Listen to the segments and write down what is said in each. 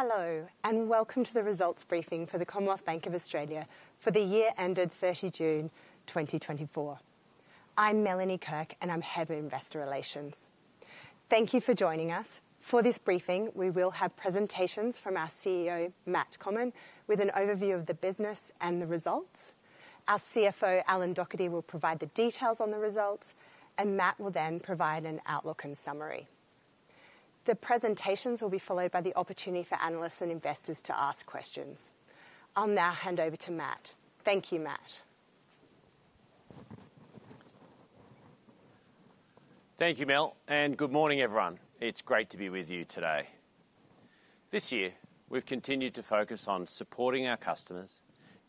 Hello, and welcome to the results briefing for the Commonwealth Bank of Australia for the year ended 30 June 2024. I'm Melanie Kirk, and I'm Head of Investor Relations. Thank you for joining us. For this briefing, we will have presentations from our CEO, Matt Comyn, with an overview of the business and the results. Our CFO, Alan Docherty, will provide the details on the results, and Matt will then provide an outlook and summary. The presentations will be followed by the opportunity for analysts and investors to ask questions. I'll now hand over to Matt. Thank you, Matt. Thank you, Mel, and good morning, everyone. It's great to be with you today. This year, we've continued to focus on supporting our customers,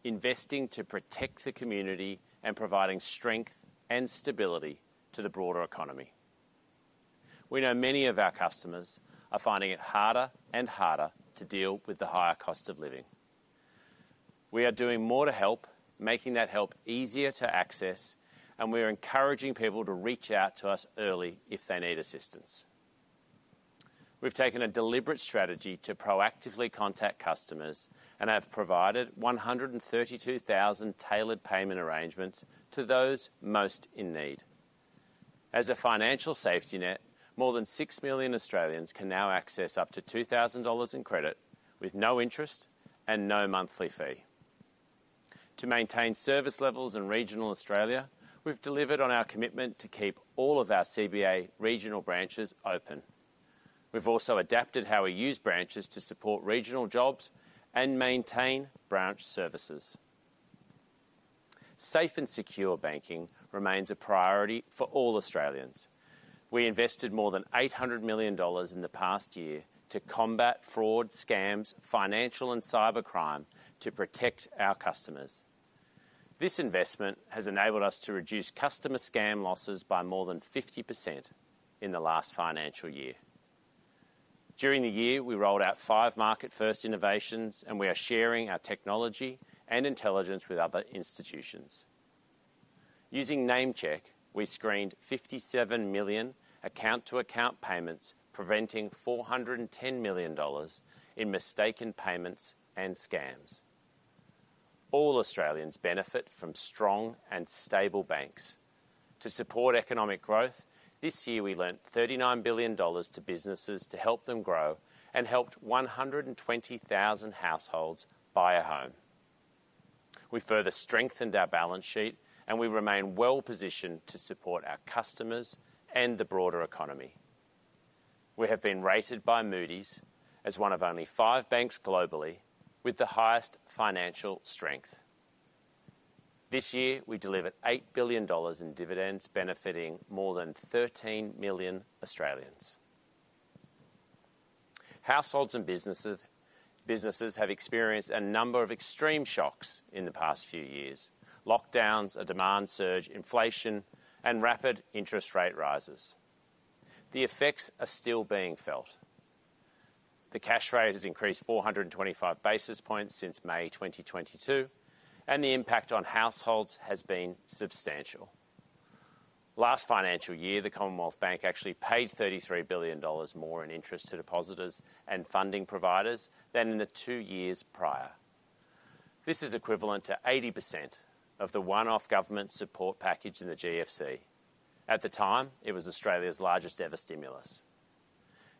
investing to protect the community, and providing strength and stability to the broader economy. We know many of our customers are finding it harder and harder to deal with the higher cost of living. We are doing more to help, making that help easier to access, and we are encouraging people to reach out to us early if they need assistance. We've taken a deliberate strategy to proactively contact customers and have provided 132,000 tailored payment arrangements to those most in need. As a financial safety net, more than 6 million Australians can now access up to 2,000 dollars in credit with no interest and no monthly fee. To maintain service levels in regional Australia, we've delivered on our commitment to keep all of our CBA regional branches open. We've also adapted how we use branches to support regional jobs and maintain branch services. Safe and secure banking remains a priority for all Australians. We invested more than 800 million dollars in the past year to combat fraud, scams, financial and cyber crime to protect our customers. This investment has enabled us to reduce customer scam losses by more than 50% in the last financial year. During the year, we rolled out five market-first innovations, and we are sharing our technology and intelligence with other institutions. Using NameCheck, we screened 57 million account-to-account payments, preventing 410 million dollars in mistaken payments and scams. All Australians benefit from strong and stable banks. To support economic growth, this year we lent 39 billion dollars to businesses to help them grow and helped 120,000 households buy a home. We further strengthened our balance sheet, and we remain well positioned to support our customers and the broader economy. We have been rated by Moody's as one of only five banks globally with the highest financial strength. This year, we delivered 8 billion dollars in dividends, benefiting more than 13 million Australians. Households and businesses, businesses have experienced a number of extreme shocks in the past few years: lockdowns, a demand surge, inflation, and rapid interest rate rises. The effects are still being felt. The cash rate has increased 425 basis points since May 2022, and the impact on households has been substantial. Last financial year, the Commonwealth Bank actually paid 33 billion dollars more in interest to depositors and funding providers than in the two years prior. This is equivalent to 80% of the one-off government support package in the GFC. At the time, it was Australia's largest-ever stimulus.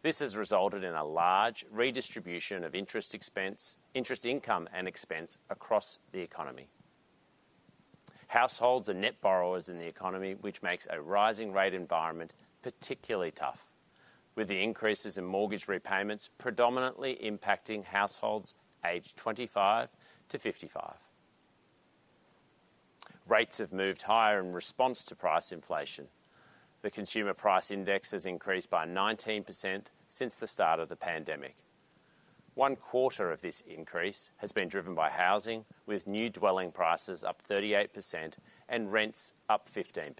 This has resulted in a large redistribution of interest expense, interest income and expense across the economy. Households are net borrowers in the economy, which makes a rising rate environment particularly tough, with the increases in mortgage repayments predominantly impacting households aged 25-55. Rates have moved higher in response to price inflation. The Consumer Price Index has increased by 19% since the start of the pandemic. One quarter of this increase has been driven by housing, with new dwelling prices up 38% and rents up 15%.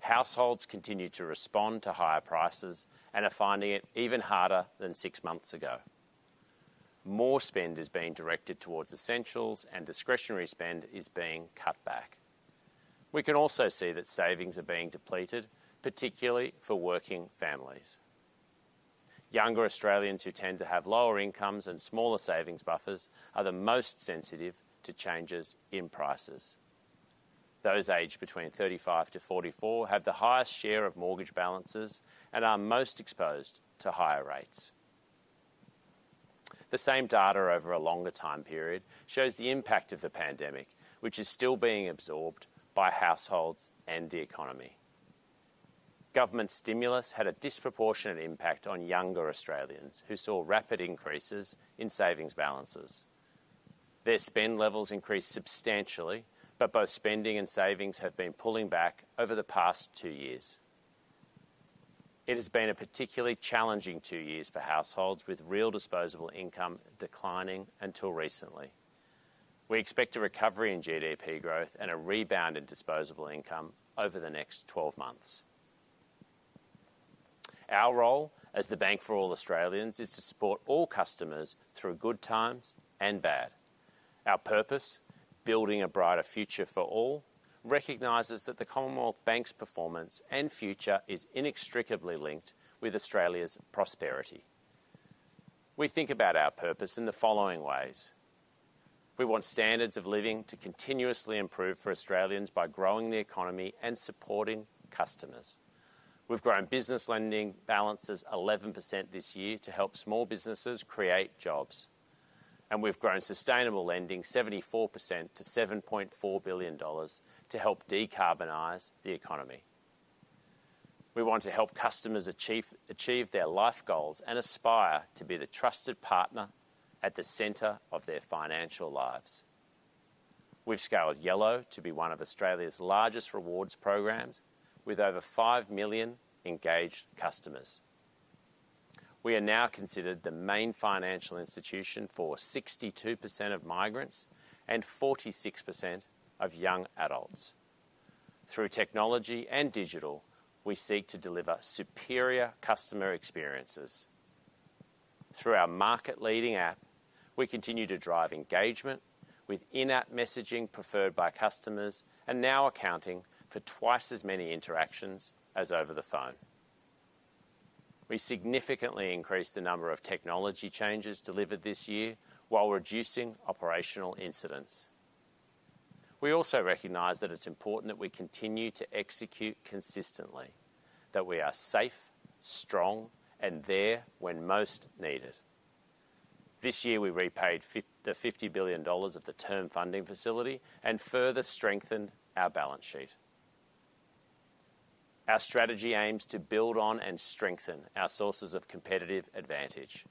Households continue to respond to higher prices and are finding it even harder than 6 months ago. More spend is being directed towards essentials, and discretionary spend is being cut back. We can also see that savings are being depleted, particularly for working families. Younger Australians, who tend to have lower incomes and smaller savings buffers, are the most sensitive to changes in prices. Those aged between 35-44 have the highest share of mortgage balances and are most exposed to higher rates. The same data over a longer time period shows the impact of the pandemic, which is still being absorbed by households and the economy. Government stimulus had a disproportionate impact on younger Australians, who saw rapid increases in savings balances. Their spend levels increased substantially, but both spending and savings have been pulling back over the past 2 years. It has been a particularly challenging 2 years for households, with real disposable income declining until recently. We expect a recovery in GDP growth and a rebound in disposable income over the next 12 months. Our role as the bank for all Australians is to support all customers through good times and bad. Our purpose, building a brighter future for all, recognizes that the Commonwealth Bank's performance and future is inextricably linked with Australia's prosperity. We think about our purpose in the following ways: We want standards of living to continuously improve for Australians by growing the economy and supporting customers. We've grown business lending balances 11% this year to help small businesses create jobs, and we've grown sustainable lending 74% to 7.4 billion dollars to help decarbonize the economy. We want to help customers achieve their life goals and aspire to be the trusted partner at the center of their financial lives. We've scaled Yello to be one of Australia's largest rewards programs, with over 5 million engaged customers. We are now considered the main financial institution for 62% of migrants and 46% of young adults. Through technology and digital, we seek to deliver superior customer experiences. Through our market-leading app, we continue to drive engagement, with in-app messaging preferred by customers and now accounting for twice as many interactions as over the phone. We significantly increased the number of technology changes delivered this year while reducing operational incidents. We also recognize that it's important that we continue to execute consistently, that we are safe, strong, and there when most needed. This year, we repaid the 50 billion dollars of the Term Funding Facility and further strengthened our balance sheet. Our strategy aims to build on and strengthen our sources of competitive advantage.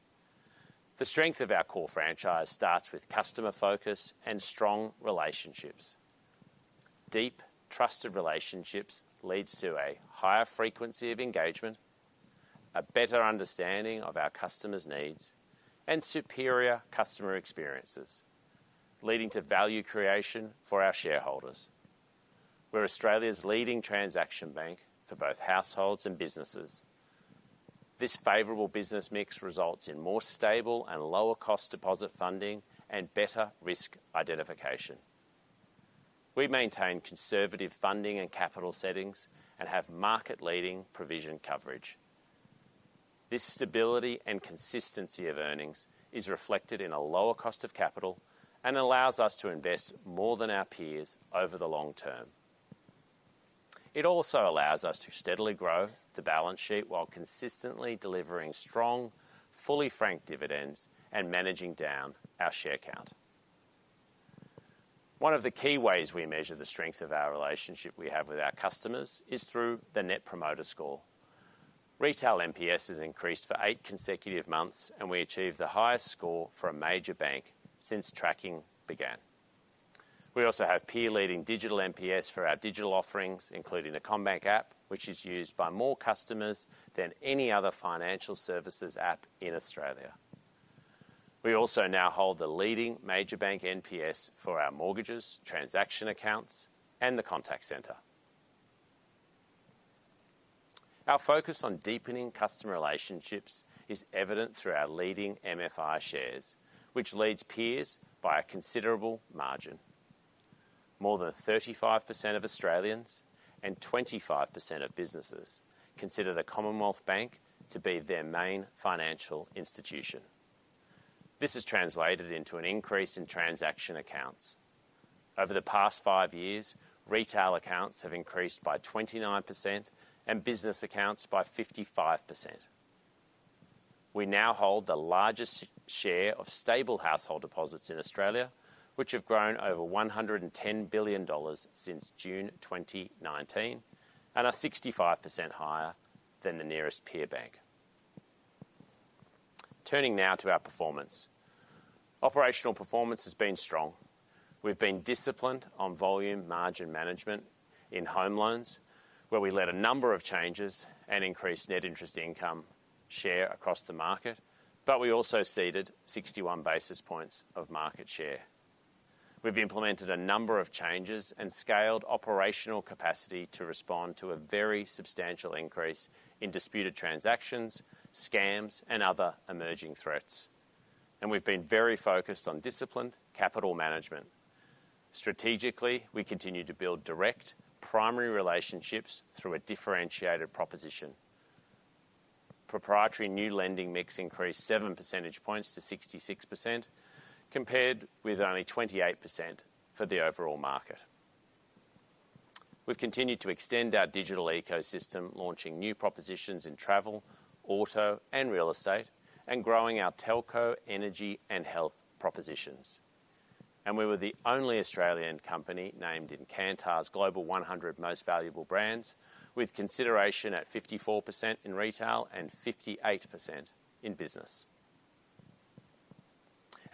The strength of our core franchise starts with customer focus and strong relationships. Deep, trusted relationships leads to a higher frequency of engagement, a better understanding of our customers' needs, and superior customer experiences, leading to value creation for our shareholders. We're Australia's leading transaction bank for both households and businesses. This favorable business mix results in more stable and lower-cost deposit funding and better risk identification. We maintain conservative funding and capital settings and have market-leading provision coverage. This stability and consistency of earnings is reflected in a lower cost of capital and allows us to invest more than our peers over the long term. It also allows us to steadily grow the balance sheet while consistently delivering strong, fully franked dividends and managing down our share count. One of the key ways we measure the strength of our relationship we have with our customers is through the Net Promoter Score. Retail NPS has increased for eight consecutive months, and we achieved the highest score for a major bank since tracking began. We also have peer-leading digital NPS for our digital offerings, including the CommBank app, which is used by more customers than any other financial services app in Australia. We also now hold the leading major bank NPS for our mortgages, transaction accounts, and the contact center. Our focus on deepening customer relationships is evident through our leading MFI shares, which leads peers by a considerable margin. More than 35% of Australians and 25% of businesses consider the Commonwealth Bank to be their main financial institution. This has translated into an increase in transaction accounts. Over the past five years, retail accounts have increased by 29% and business accounts by 55%. We now hold the largest share of stable household deposits in Australia, which have grown over 110 billion dollars since June 2019, and are 65% higher than the nearest peer bank. Turning now to our performance. Operational performance has been strong. We've been disciplined on volume margin management in home loans, where we led a number of changes and increased net interest income share across the market, but we also ceded 61 basis points of market share. We've implemented a number of changes and scaled operational capacity to respond to a very substantial increase in disputed transactions, scams, and other emerging threats, and we've been very focused on disciplined capital management. Strategically, we continue to build direct primary relationships through a differentiated proposition. Proprietary new lending mix increased 7 percentage points to 66%, compared with only 28% for the overall market. We've continued to extend our digital ecosystem, launching new propositions in travel, auto, and real estate, and growing our telco, energy, and health propositions. We were the only Australian company named in Kantar's Global 100 Most Valuable Brands, with consideration at 54% in retail and 58% in business.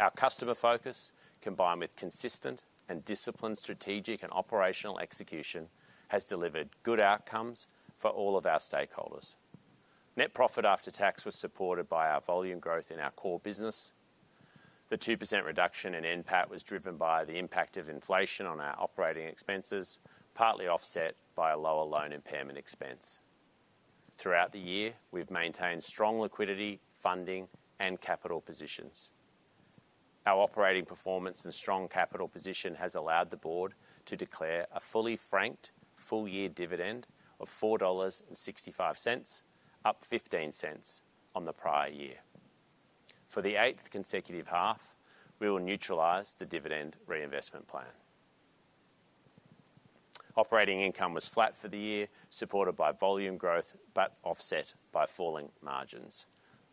Our customer focus, combined with consistent and disciplined strategic and operational execution, has delivered good outcomes for all of our stakeholders. Net profit after tax was supported by our volume growth in our core business. The 2% reduction in NPAT was driven by the impact of inflation on our operating expenses, partly offset by a lower loan impairment expense. Throughout the year, we've maintained strong liquidity, funding, and capital positions. Our operating performance and strong capital position has allowed the board to declare a fully franked full-year dividend of 4.65 dollars, up 0.15 on the prior year. For the eighth consecutive half, we will neutralize the dividend reinvestment plan. Operating income was flat for the year, supported by volume growth, but offset by falling margins.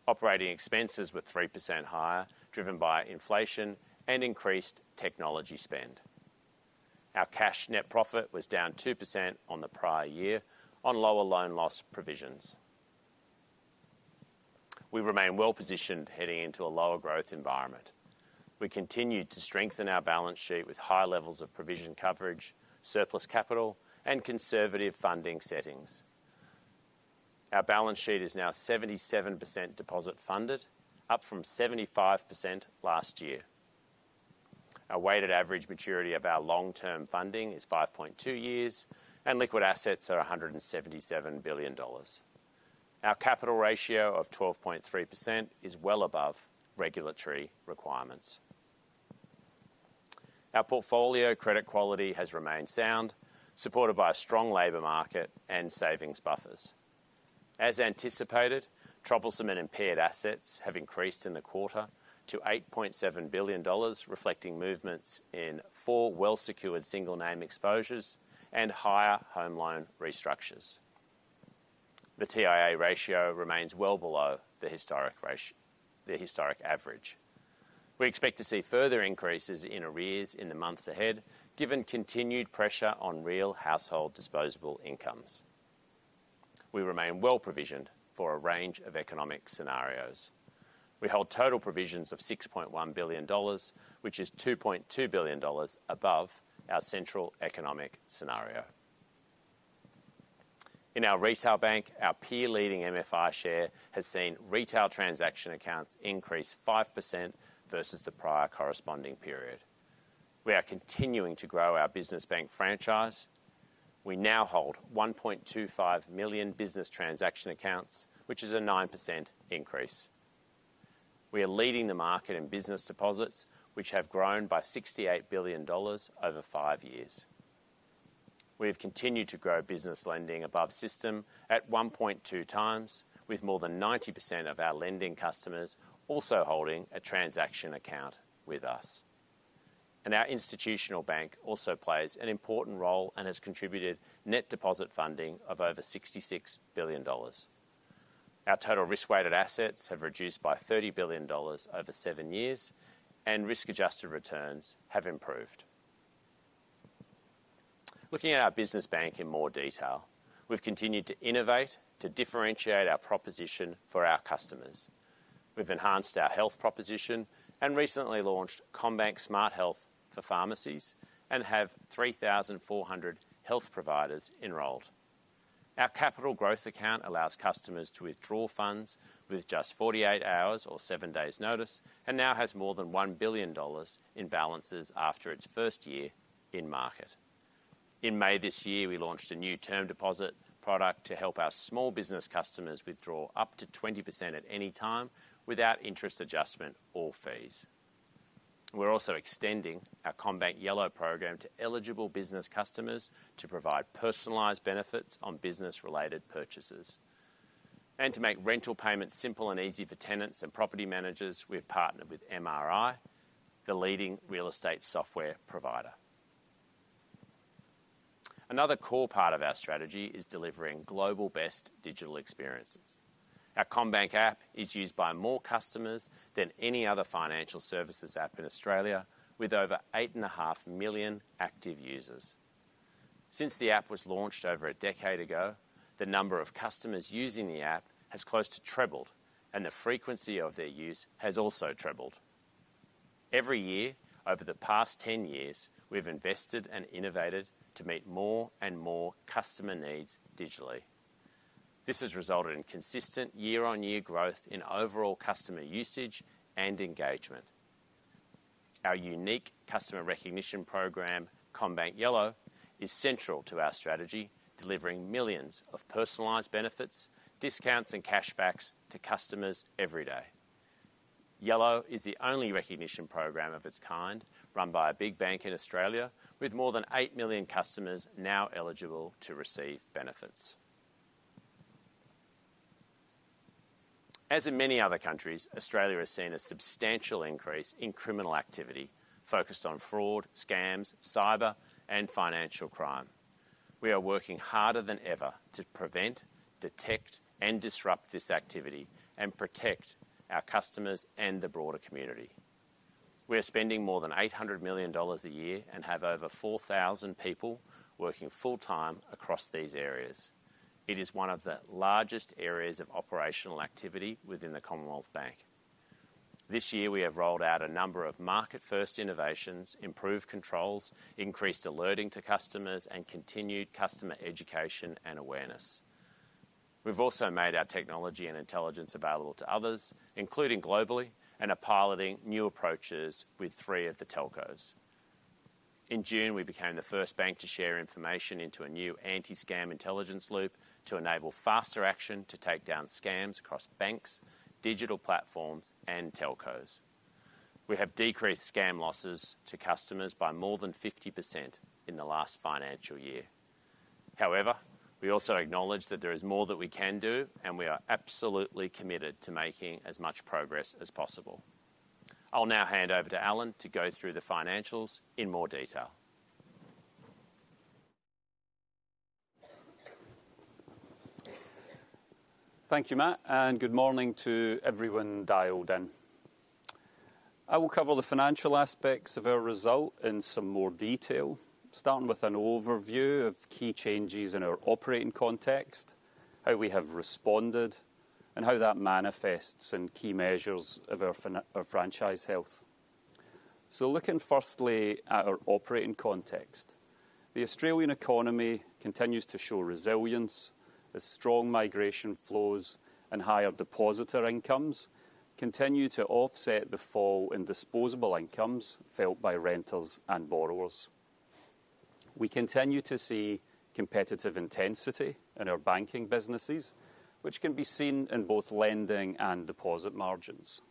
Operating expenses were 3% higher, driven by inflation and increased technology spend. Our cash net profit was down 2% on the prior year on lower loan loss provisions. We remain well-positioned heading into a lower growth environment. We continued to strengthen our balance sheet with high levels of provision coverage, surplus capital, and conservative funding settings. Our balance sheet is now 77% deposit funded, up from 75% last year. Our weighted average maturity of our long-term funding is 5.2 years, and liquid assets are 177 billion dollars. Our capital ratio of 12.3% is well above regulatory requirements. Our portfolio credit quality has remained sound, supported by a strong labor market and savings buffers. As anticipated, troublesome and impaired assets have increased in the quarter to 8.7 billion dollars, reflecting movements in four well-secured single name exposures and higher home loan restructures. The TIA ratio remains well below the historic ratio, the historic average. We expect to see further increases in arrears in the months ahead, given continued pressure on real household disposable incomes. We remain well provisioned for a range of economic scenarios. We hold total provisions of 6.1 billion dollars, which is 2.2 billion dollars above our central economic scenario. In our retail bank, our peer-leading MFI share has seen retail transaction accounts increase 5% versus the prior corresponding period. We are continuing to grow our business bank franchise. We now hold 1.25 million business transaction accounts, which is a 9% increase. We are leading the market in business deposits, which have grown by 68 billion dollars over five years. We have continued to grow business lending above system at 1.2 times, with more than 90% of our lending customers also holding a transaction account with us. And our institutional bank also plays an important role and has contributed net deposit funding of over 66 billion dollars. Our total risk-weighted assets have reduced by 30 billion dollars over 7 years, and risk-adjusted returns have improved. Looking at our business bank in more detail, we've continued to innovate, to differentiate our proposition for our customers. We've enhanced our health proposition and recently launched CommBank Smart Health for pharmacies and have 3,400 health providers enrolled. Our Capital Growth Account allows customers to withdraw funds with just 48 hours or 7 days notice, and now has more than 1 billion dollars in balances after its first year in market. In May this year, we launched a new term deposit product to help our small business customers withdraw up to 20% at any time without interest adjustment or fees. We're also extending our CommBank Yello program to eligible business customers to provide personalized benefits on business-related purchases. To make rental payments simple and easy for tenants and property managers, we've partnered with MRI, the leading real estate software provider. Another core part of our strategy is delivering global best digital experiences. Our CommBank app is used by more customers than any other financial services app in Australia, with over 8.5 million active users. Since the app was launched over a decade ago, the number of customers using the app has close to trebled, and the frequency of their use has also trebled. Every year, over the past 10 years, we've invested and innovated to meet more and more customer needs digitally. This has resulted in consistent year-on-year growth in overall customer usage and engagement. Our unique customer recognition program, CommBank Yello, is central to our strategy, delivering millions of personalized benefits, discounts, and cash backs to customers every day. Yello is the only recognition program of its kind, run by a big bank in Australia, with more than 8 million customers now eligible to receive benefits. As in many other countries, Australia has seen a substantial increase in criminal activity focused on fraud, scams, cyber, and financial crime. We are working harder than ever to prevent, detect, and disrupt this activity and protect our customers and the broader community. We are spending more than 800 million dollars a year and have over 4,000 people working full-time across these areas. It is one of the largest areas of operational activity within the Commonwealth Bank. This year, we have rolled out a number of market-first innovations, improved controls, increased alerting to customers, and continued customer education and awareness. We've also made our technology and intelligence available to others, including globally, and are piloting new approaches with three of the telcos. In June, we became the first bank to share information into a new Anti-Scam Intelligence Loop to enable faster action to take down scams across banks, digital platforms, and telcos. We have decreased scam losses to customers by more than 50% in the last financial year. However, we also acknowledge that there is more that we can do, and we are absolutely committed to making as much progress as possible. I'll now hand over to Alan to go through the financials in more detail. Thank you, Matt, and good morning to everyone dialed in. I will cover the financial aspects of our result in some more detail, starting with an overview of key changes in our operating context, how we have responded, and how that manifests in key measures of our franchise health. So looking firstly at our operating context, the Australian economy continues to show resilience as strong migration flows and higher depositor incomes continue to offset the fall in disposable incomes felt by renters and borrowers. We continue to see competitive intensity in our banking businesses, which can be seen in both lending and deposit margins.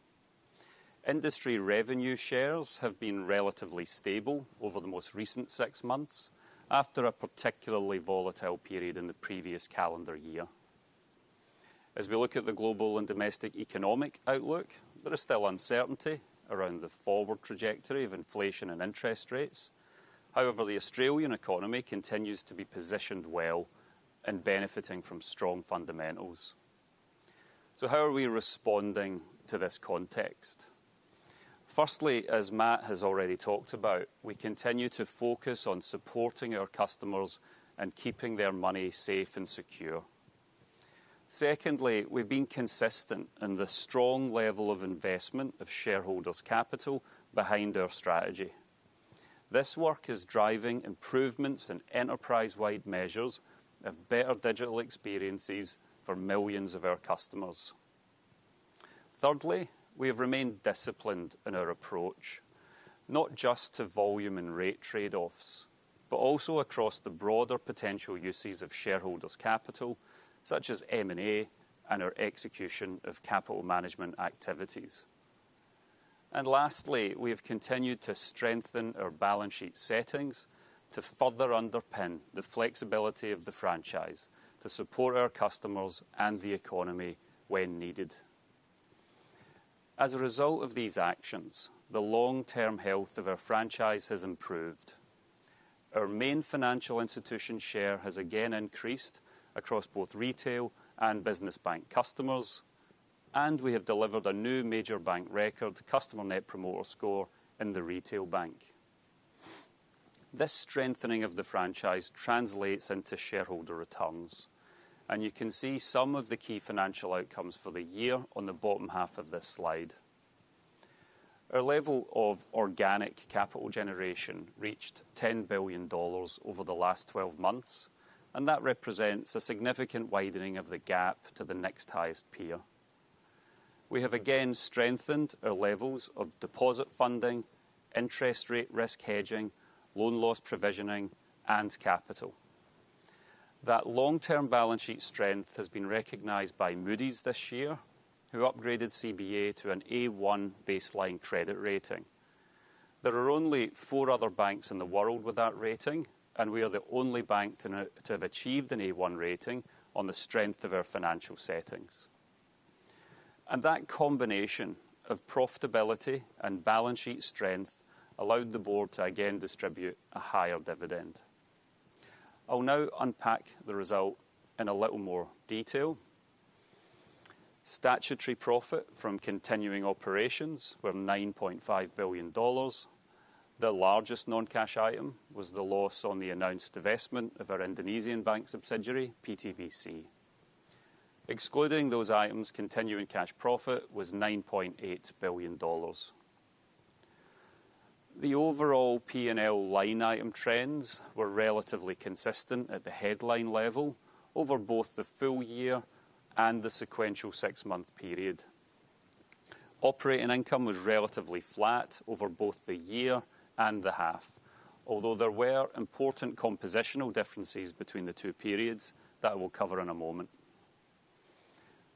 Industry revenue shares have been relatively stable over the most recent six months after a particularly volatile period in the previous calendar year. As we look at the global and domestic economic outlook, there is still uncertainty around the forward trajectory of inflation and interest rates. However, the Australian economy continues to be positioned well and benefiting from strong fundamentals. So how are we responding to this context? Firstly, as Matt has already talked about, we continue to focus on supporting our customers and keeping their money safe and secure. Secondly, we've been consistent in the strong level of investment of shareholders' capital behind our strategy. This work is driving improvements in enterprise-wide measures of better digital experiences for millions of our customers. Thirdly, we have remained disciplined in our approach, not just to volume and rate trade-offs, but also across the broader potential uses of shareholders' capital, such as M&A and our execution of capital management activities. Lastly, we have continued to strengthen our balance sheet settings to further underpin the flexibility of the franchise to support our customers and the economy when needed. As a result of these actions, the long-term health of our franchise has improved. Our Main Financial Institution share has again increased across both retail and business bank customers, and we have delivered a new major bank record customer Net Promoter Score in the retail bank. This strengthening of the franchise translates into shareholder returns, and you can see some of the key financial outcomes for the year on the bottom half of this slide. Our level of organic capital generation reached 10 billion dollars over the last 12 months, and that represents a significant widening of the gap to the next highest peer. We have again strengthened our levels of deposit funding, interest rate risk hedging, loan loss provisioning, and capital. That long-term balance sheet strength has been recognized by Moody's this year, who upgraded CBA to an A1 baseline credit rating. There are only four other banks in the world with that rating, and we are the only bank to have achieved an A1 rating on the strength of our financial settings. That combination of profitability and balance sheet strength allowed the board to again distribute a higher dividend. I'll now unpack the result in a little more detail. Statutory profit from continuing operations were 9.5 billion dollars. The largest non-cash item was the loss on the announced divestment of our Indonesian bank subsidiary, PT Bank Commonwealth. Excluding those items, continuing cash profit was 9.8 billion dollars. The overall P&L line item trends were relatively consistent at the headline level over both the full year and the sequential six-month period. Operating income was relatively flat over both the year and the half, although there were important compositional differences between the two periods that we'll cover in a moment.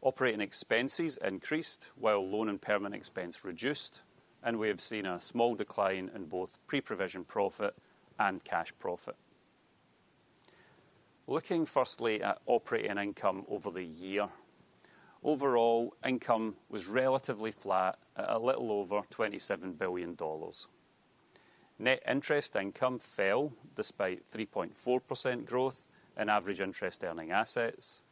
Operating expenses increased while loan impairment expense reduced, and we have seen a small decline in both pre-provision profit and cash profit. Looking firstly at operating income over the year, overall income was relatively flat at a little over 27 billion dollars. Net interest income fell despite 3.4% growth in average interest earning assets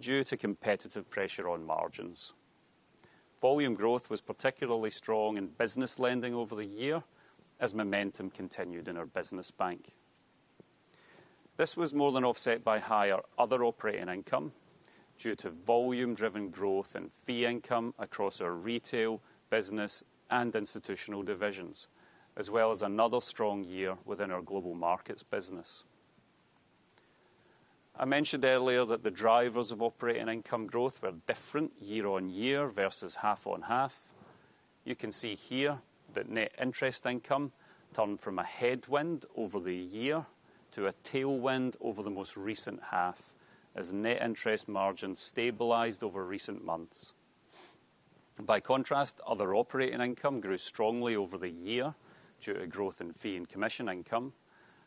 due to competitive pressure on margins. Volume growth was particularly strong in business lending over the year as momentum continued in our business bank. This was more than offset by higher other operating income due to volume-driven growth in fee income across our retail, business, and institutional divisions, as well as another strong year within our global markets business.... I mentioned earlier that the drivers of operating income growth were different year-on-year versus half-on-half. You can see here that net interest income turned from a headwind over the year to a tailwind over the most recent half, as net interest margin stabilized over recent months. By contrast, other operating income grew strongly over the year due to growth in fee and commission income,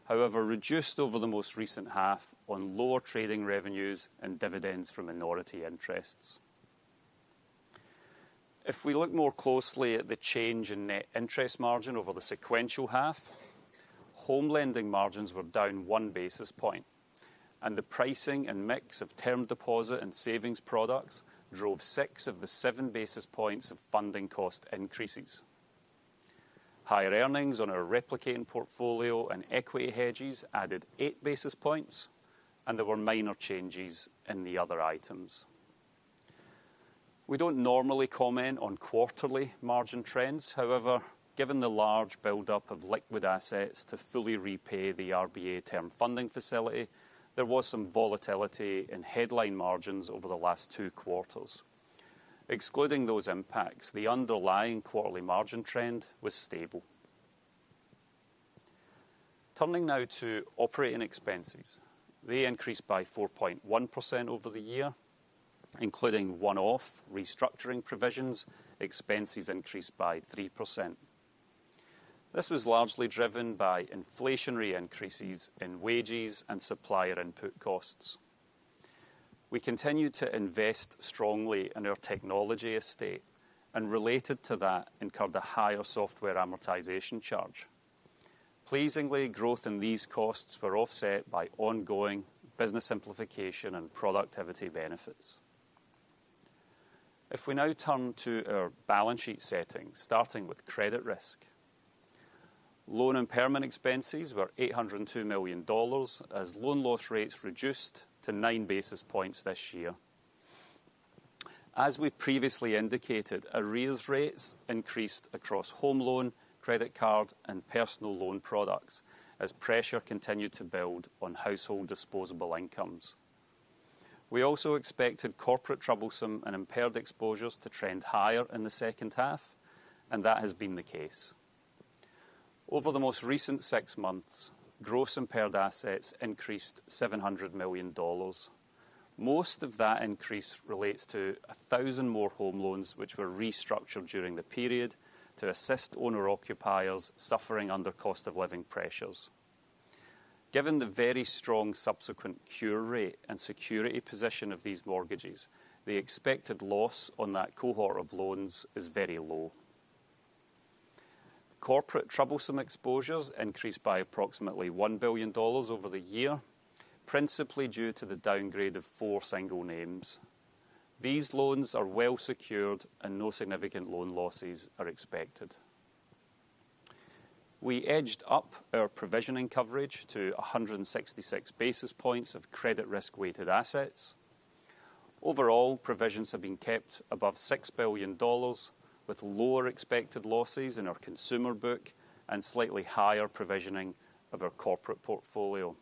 however, reduced over the most recent half on lower trading revenues and dividends from minority interests. If we look more closely at the change in net interest margin over the sequential half, home lending margins were down 1 basis point, and the pricing and mix of term deposit and savings products drove six of the seven basis points of funding cost increases. Higher earnings on our replicating portfolio and equity hedges added 8 basis points, and there were minor changes in the other items. We don't normally comment on quarterly margin trends. However, given the large buildup of liquid assets to fully repay the RBA Term Funding Facility, there was some volatility in headline margins over the last 2 quarters. Excluding those impacts, the underlying quarterly margin trend was stable. Turning now to operating expenses. They increased by 4.1% over the year. Including one-off restructuring provisions, expenses increased by 3%. This was largely driven by inflationary increases in wages and supplier input costs. We continued to invest strongly in our technology estate, and related to that, incurred a higher software amortization charge. Pleasingly, growth in these costs were offset by ongoing business simplification and productivity benefits. If we now turn to our balance sheet settings, starting with credit risk. Loan impairment expenses were 802 million dollars, as loan loss rates reduced to nine basis points this year. As we previously indicated, arrears rates increased across home loan, credit card, and personal loan products as pressure continued to build on household disposable incomes. We also expected corporate troublesome and impaired exposures to trend higher in the second half, and that has been the case. Over the most recent six months, gross impaired assets increased 700 million dollars. Most of that increase relates to 1,000 more home loans, which were restructured during the period to assist owner-occupiers suffering under cost of living pressures. Given the very strong subsequent cure rate and security position of these mortgages, the expected loss on that cohort of loans is very low. Corporate troublesome exposures increased by approximately 1 billion dollars over the year, principally due to the downgrade of four single names. These loans are well secured, and no significant loan losses are expected. We edged up our provisioning coverage to 166 basis points of credit risk-weighted assets. Overall, provisions have been kept above 6 billion dollars, with lower expected losses in our consumer book and slightly higher provisioning of our corporate portfolio.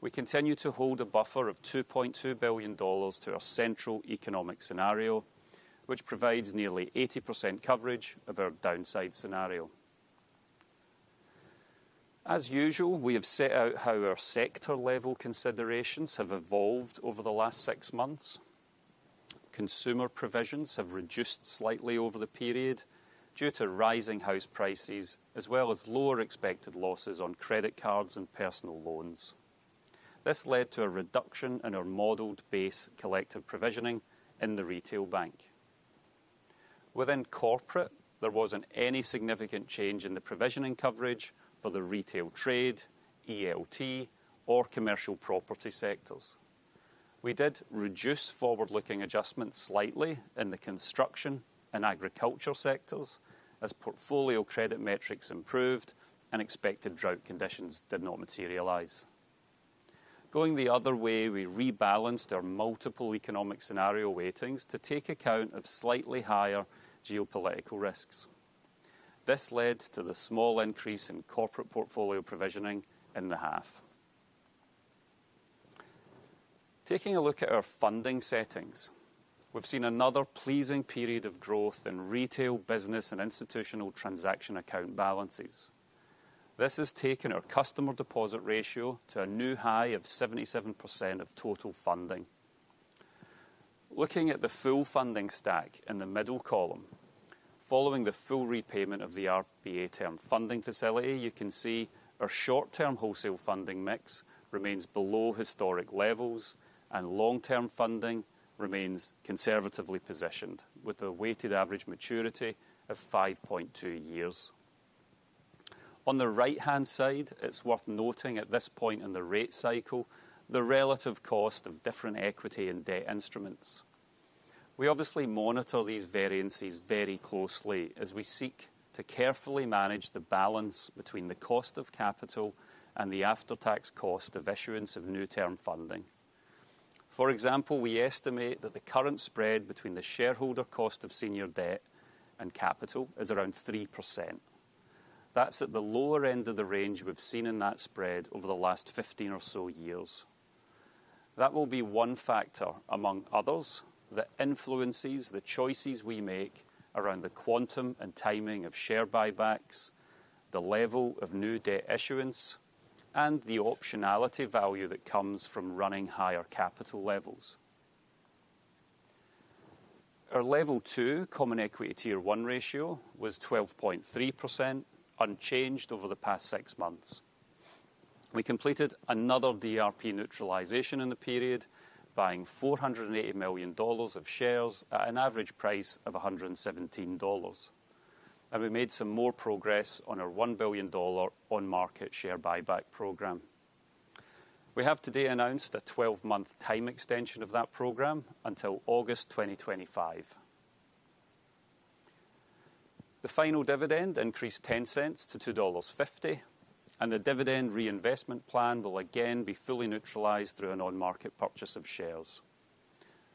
We continue to hold a buffer of 2.2 billion dollars to our central economic scenario, which provides nearly 80% coverage of our downside scenario. As usual, we have set out how our sector-level considerations have evolved over the last 6 months. Consumer provisions have reduced slightly over the period due to rising house prices, as well as lower expected losses on credit cards and personal loans. This led to a reduction in our modeled base collective provisioning in the retail bank. Within corporate, there wasn't any significant change in the provisioning coverage for the retail trade, ELT, or commercial property sectors. We did reduce forward-looking adjustments slightly in the construction and agriculture sectors as portfolio credit metrics improved and expected drought conditions did not materialize. Going the other way, we rebalanced our multiple economic scenario weightings to take account of slightly higher geopolitical risks. This led to the small increase in corporate portfolio provisioning in the half. Taking a look at our funding settings, we've seen another pleasing period of growth in retail, business, and institutional transaction account balances. This has taken our customer deposit ratio to a new high of 77% of total funding. Looking at the full funding stack in the middle column, following the full repayment of the RBA Term Funding Facility, you can see our short-term wholesale funding mix remains below historic levels, and long-term funding remains conservatively positioned, with a weighted average maturity of 5.2 years. On the right-hand side, it's worth noting at this point in the rate cycle, the relative cost of different equity and debt instruments. We obviously monitor these variances very closely as we seek to carefully manage the balance between the cost of capital and the after-tax cost of issuance of new term funding. For example, we estimate that the current spread between the shareholder cost of senior debt and capital is around 3%. That's at the lower end of the range we've seen in that spread over the last 15 or so years. That will be one factor, among others, that influences the choices we make around the quantum and timing of share buybacks, the level of new debt issuance, and the optionality value that comes from running higher capital levels. Our Level 2 Common Equity Tier 1 ratio was 12.3%, unchanged over the past six months. We completed another DRP neutralization in the period, buying 480 million dollars of shares at an average price of 117 dollars, and we made some more progress on our 1 billion dollar on-market share buyback program. We have today announced a 12-month time extension of that program until August 2025. The final dividend increased 0.10 to 2.50 dollars, and the dividend reinvestment plan will again be fully neutralized through an on-market purchase of shares.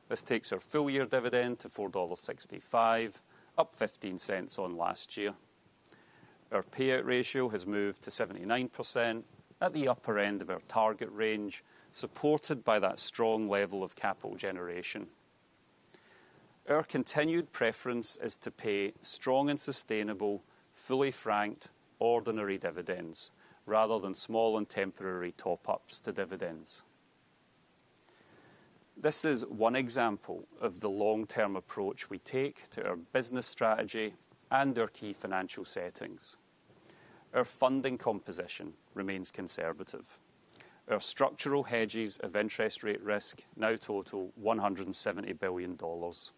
This takes our full year dividend to 4.65 dollars, up 0.15 on last year. Our payout ratio has moved to 79%, at the upper end of our target range, supported by that strong level of capital generation. Our continued preference is to pay strong and sustainable, fully franked ordinary dividends, rather than small and temporary top-ups to dividends. This is one example of the long-term approach we take to our business strategy and our key financial settings. Our funding composition remains conservative. Our structural hedges of interest rate risk now total 170 billion dollars.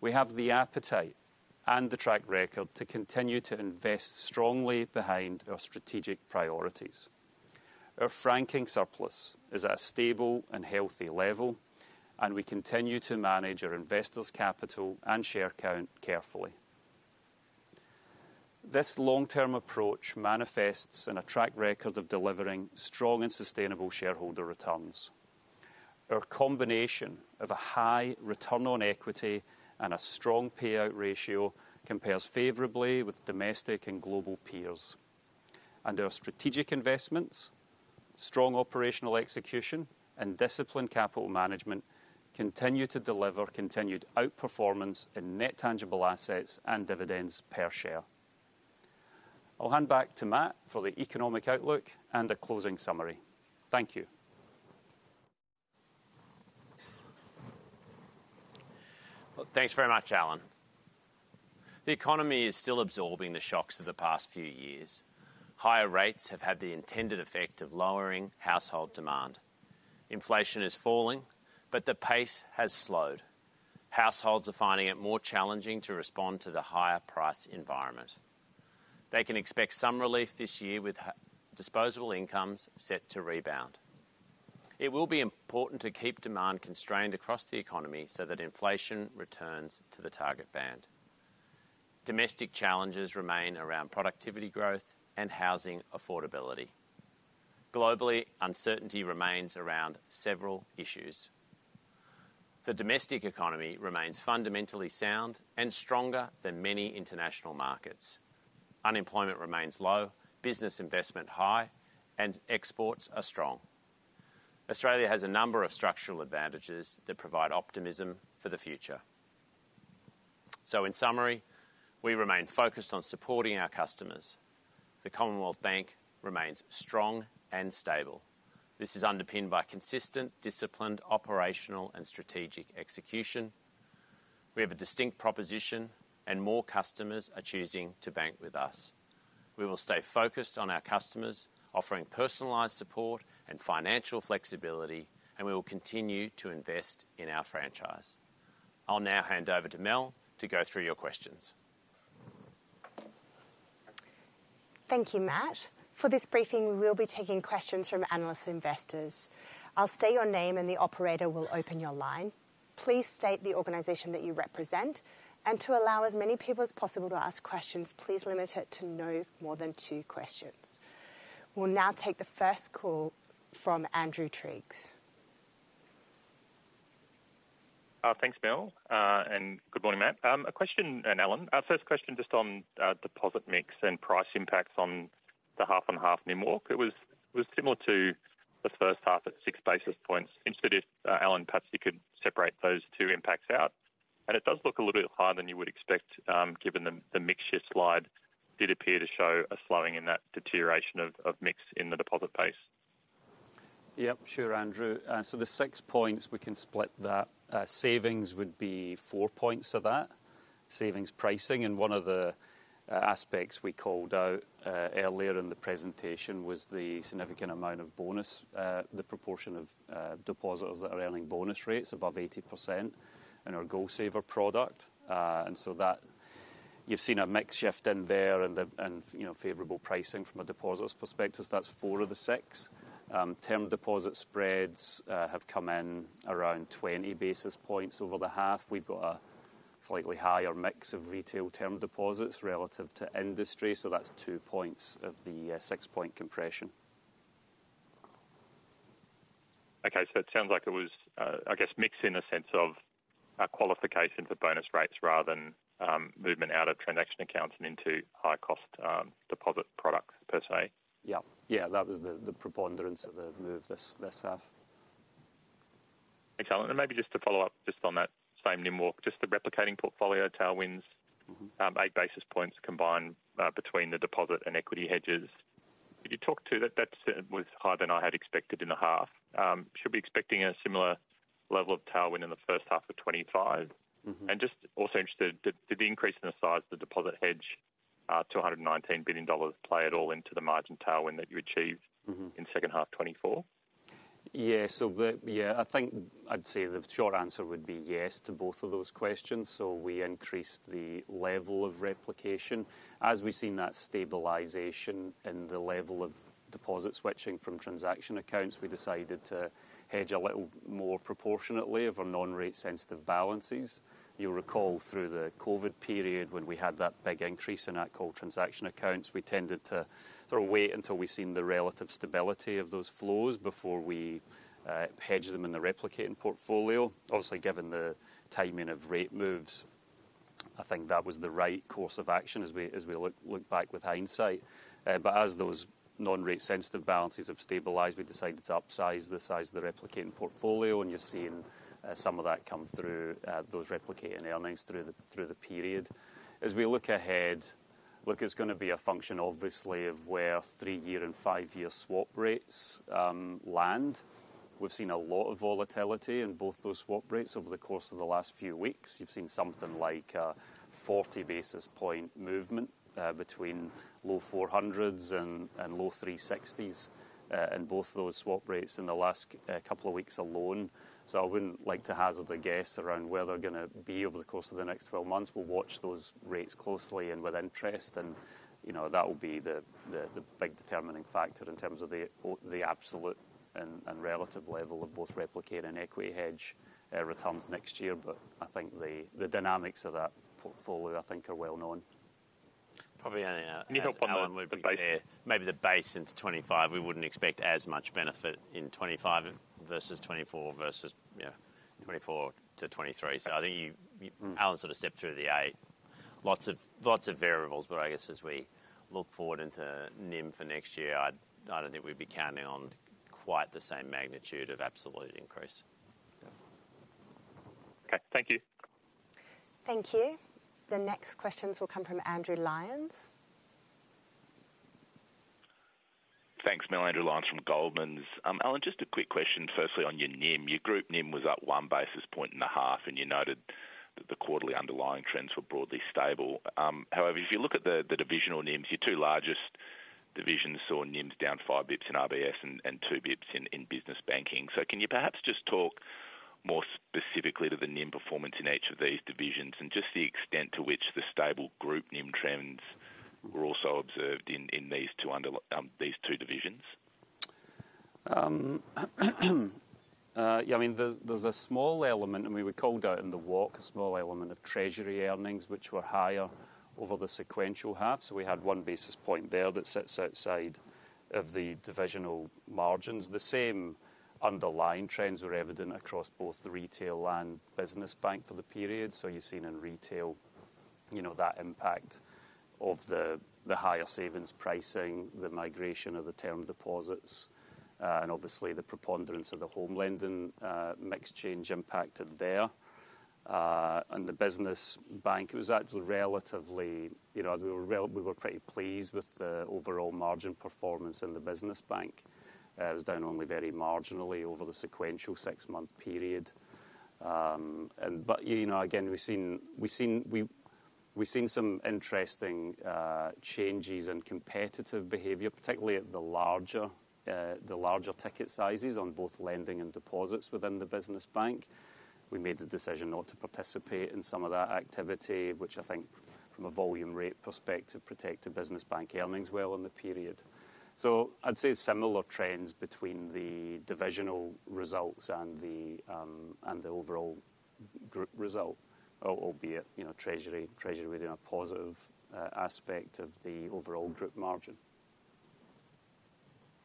We have the appetite and the track record to continue to invest strongly behind our strategic priorities. Our franking surplus is at a stable and healthy level, and we continue to manage our investors' capital and share count carefully. This long-term approach manifests in a track record of delivering strong and sustainable shareholder returns. Our combination of a high return on equity and a strong payout ratio compares favorably with domestic and global peers. Our strategic investments, strong operational execution, and disciplined capital management continue to deliver continued outperformance in net tangible assets and dividends per share. I'll hand back to Matt for the economic outlook and a closing summary. Thank you. Well, thanks very much, Alan. The economy is still absorbing the shocks of the past few years. Higher rates have had the intended effect of lowering household demand. Inflation is falling, but the pace has slowed. Households are finding it more challenging to respond to the higher price environment. They can expect some relief this year, with disposable incomes set to rebound. It will be important to keep demand constrained across the economy so that inflation returns to the target band. Domestic challenges remain around productivity growth and housing affordability. Globally, uncertainty remains around several issues. The domestic economy remains fundamentally sound and stronger than many international markets. Unemployment remains low, business investment high, and exports are strong. Australia has a number of structural advantages that provide optimism for the future. So in summary, we remain focused on supporting our customers. The Commonwealth Bank remains strong and stable. This is underpinned by consistent, disciplined, operational and strategic execution. We have a distinct proposition, and more customers are choosing to bank with us. We will stay focused on our customers, offering personalized support and financial flexibility, and we will continue to invest in our franchise. I'll now hand over to Mel to go through your questions. Thank you, Matt. For this briefing, we will be taking questions from analysts and investors. I'll state your name, and the operator will open your line. Please state the organization that you represent, and to allow as many people as possible to ask questions, please limit it to no more than two questions. We'll now take the first call from Andrew Triggs. Thanks, Mel, and good morning, Matt. A question... and Alan. Our first question, just on, deposit mix and price impacts on the half-on-half NIM walk. It was similar to the first half at six basis points. Interested if, Alan, perhaps you could separate those two impacts out? And it does look a little bit higher than you would expect, given the mix shift slide did appear to show a slowing in that deterioration of mix in the deposit base. Yep, sure, Andrew. So the 6 points, we can split that. Savings would be 4 points of that, savings pricing, and one of the aspects we called out earlier in the presentation was the significant amount of bonus, the proportion of depositors that are earning bonus rates above 80% in our GoalSaver product. And so that, you've seen a mix shift in there and the, and, you know, favorable pricing from a depositors perspective. That's 4 of the 6. Term deposit spreads have come in around 20 basis points over the half. We've got slightly higher mix of retail term deposits relative to industry, so that's 2 points of the 6-point compression. Okay, so it sounds like it was, I guess, mix in a sense of a qualification for bonus rates rather than, movement out of transaction accounts and into high-cost, deposit products per se? Yeah. Yeah, that was the preponderance of the move this half. Excellent. Maybe just to follow up just on that same NIM walk, just the Replicating Portfolio tailwinds- Mm-hmm. eight basis points combined between the deposit and equity hedges. Could you talk to that? That was higher than I had expected in the half. Should we be expecting a similar level of tailwind in the first half of 2025? Mm-hmm. Just also interested, did the increase in the size of the deposit hedge to 119 billion dollars play at all into the margin tailwind that you achieved? Mm-hmm in second half 2024? Yeah. So yeah, I think I'd say the short answer would be yes to both of those questions. So we increased the level of replication. As we've seen that stabilization in the level of deposit switching from transaction accounts, we decided to hedge a little more proportionately of our non-rate sensitive balances. You'll recall through the COVID period, when we had that big increase in our core transaction accounts, we tended to sort of wait until we'd seen the relative stability of those flows before we hedged them in the replicating portfolio. Obviously, given the timing of rate moves, I think that was the right course of action as we look back with hindsight. But as those non-rate sensitive balances have stabilized, we decided to upsize the size of the replicating portfolio, and you're seeing some of that come through those replicating earnings through the, through the period. As we look ahead, look, it's going to be a function obviously of where three-year and five-year swap rates land. We've seen a lot of volatility in both those swap rates over the course of the last few weeks. You've seen something like 40 basis point movement between low 400s and low 360s in both those swap rates in the last couple of weeks alone. So I wouldn't like to hazard a guess around where they're going to be over the course of the next 12 months. We'll watch those rates closely and with interest, and, you know, that will be the big determining factor in terms of the absolute and relative level of both replicating and equity hedge returns next year. But I think the dynamics of that portfolio, I think, are well known. Probably only Can you help on the base? Maybe the base into 2025, we wouldn't expect as much benefit in 2025 versus 2024 versus, yeah, 2024 to 2023. So I think you, Mm. Alan sort of stepped through. Lots of, lots of variables, but I guess as we look forward into NIM for next year, I don't think we'd be counting on quite the same magnitude of absolute increase. Okay, thank you. Thank you. The next questions will come from Andrew Lyons. Thanks, Mel. Andrew Lyons from Goldman Sachs. Alan, just a quick question, firstly, on your NIM. Your group NIM was up one basis point in the half, and you noted that the quarterly underlying trends were broadly stable. However, if you look at the divisional NIMs, your two largest divisions saw NIMs down five basis points in RBS and two basis points in business banking. So can you perhaps just talk more specifically to the NIM performance in each of these divisions and just the extent to which the stable group NIM trends were also observed in these two divisions? Yeah, I mean, there's a small element, and we were called out in the walk, a small element of treasury earnings, which were higher over the sequential half. So we had one basis point there that sits outside of the divisional margins. The same underlying trends were evident across both the retail and business bank for the period. So you're seeing in retail, you know, that impact of the higher savings pricing, the migration of the term deposits, and obviously, the preponderance of the home lending mix change impacted there. And the business bank, it was actually relatively. You know, we were pretty pleased with the overall margin performance in the business bank. It was down only very marginally over the sequential six-month period. But, you know, again, we've seen some interesting changes in competitive behavior, particularly at the larger ticket sizes on both lending and deposits within the business bank. We made the decision not to participate in some of that activity, which I think from a volume rate perspective, protected business bank earnings well in the period. So I'd say similar trends between the divisional results and the overall group result, albeit, you know, treasury within a positive aspect of the overall group margin.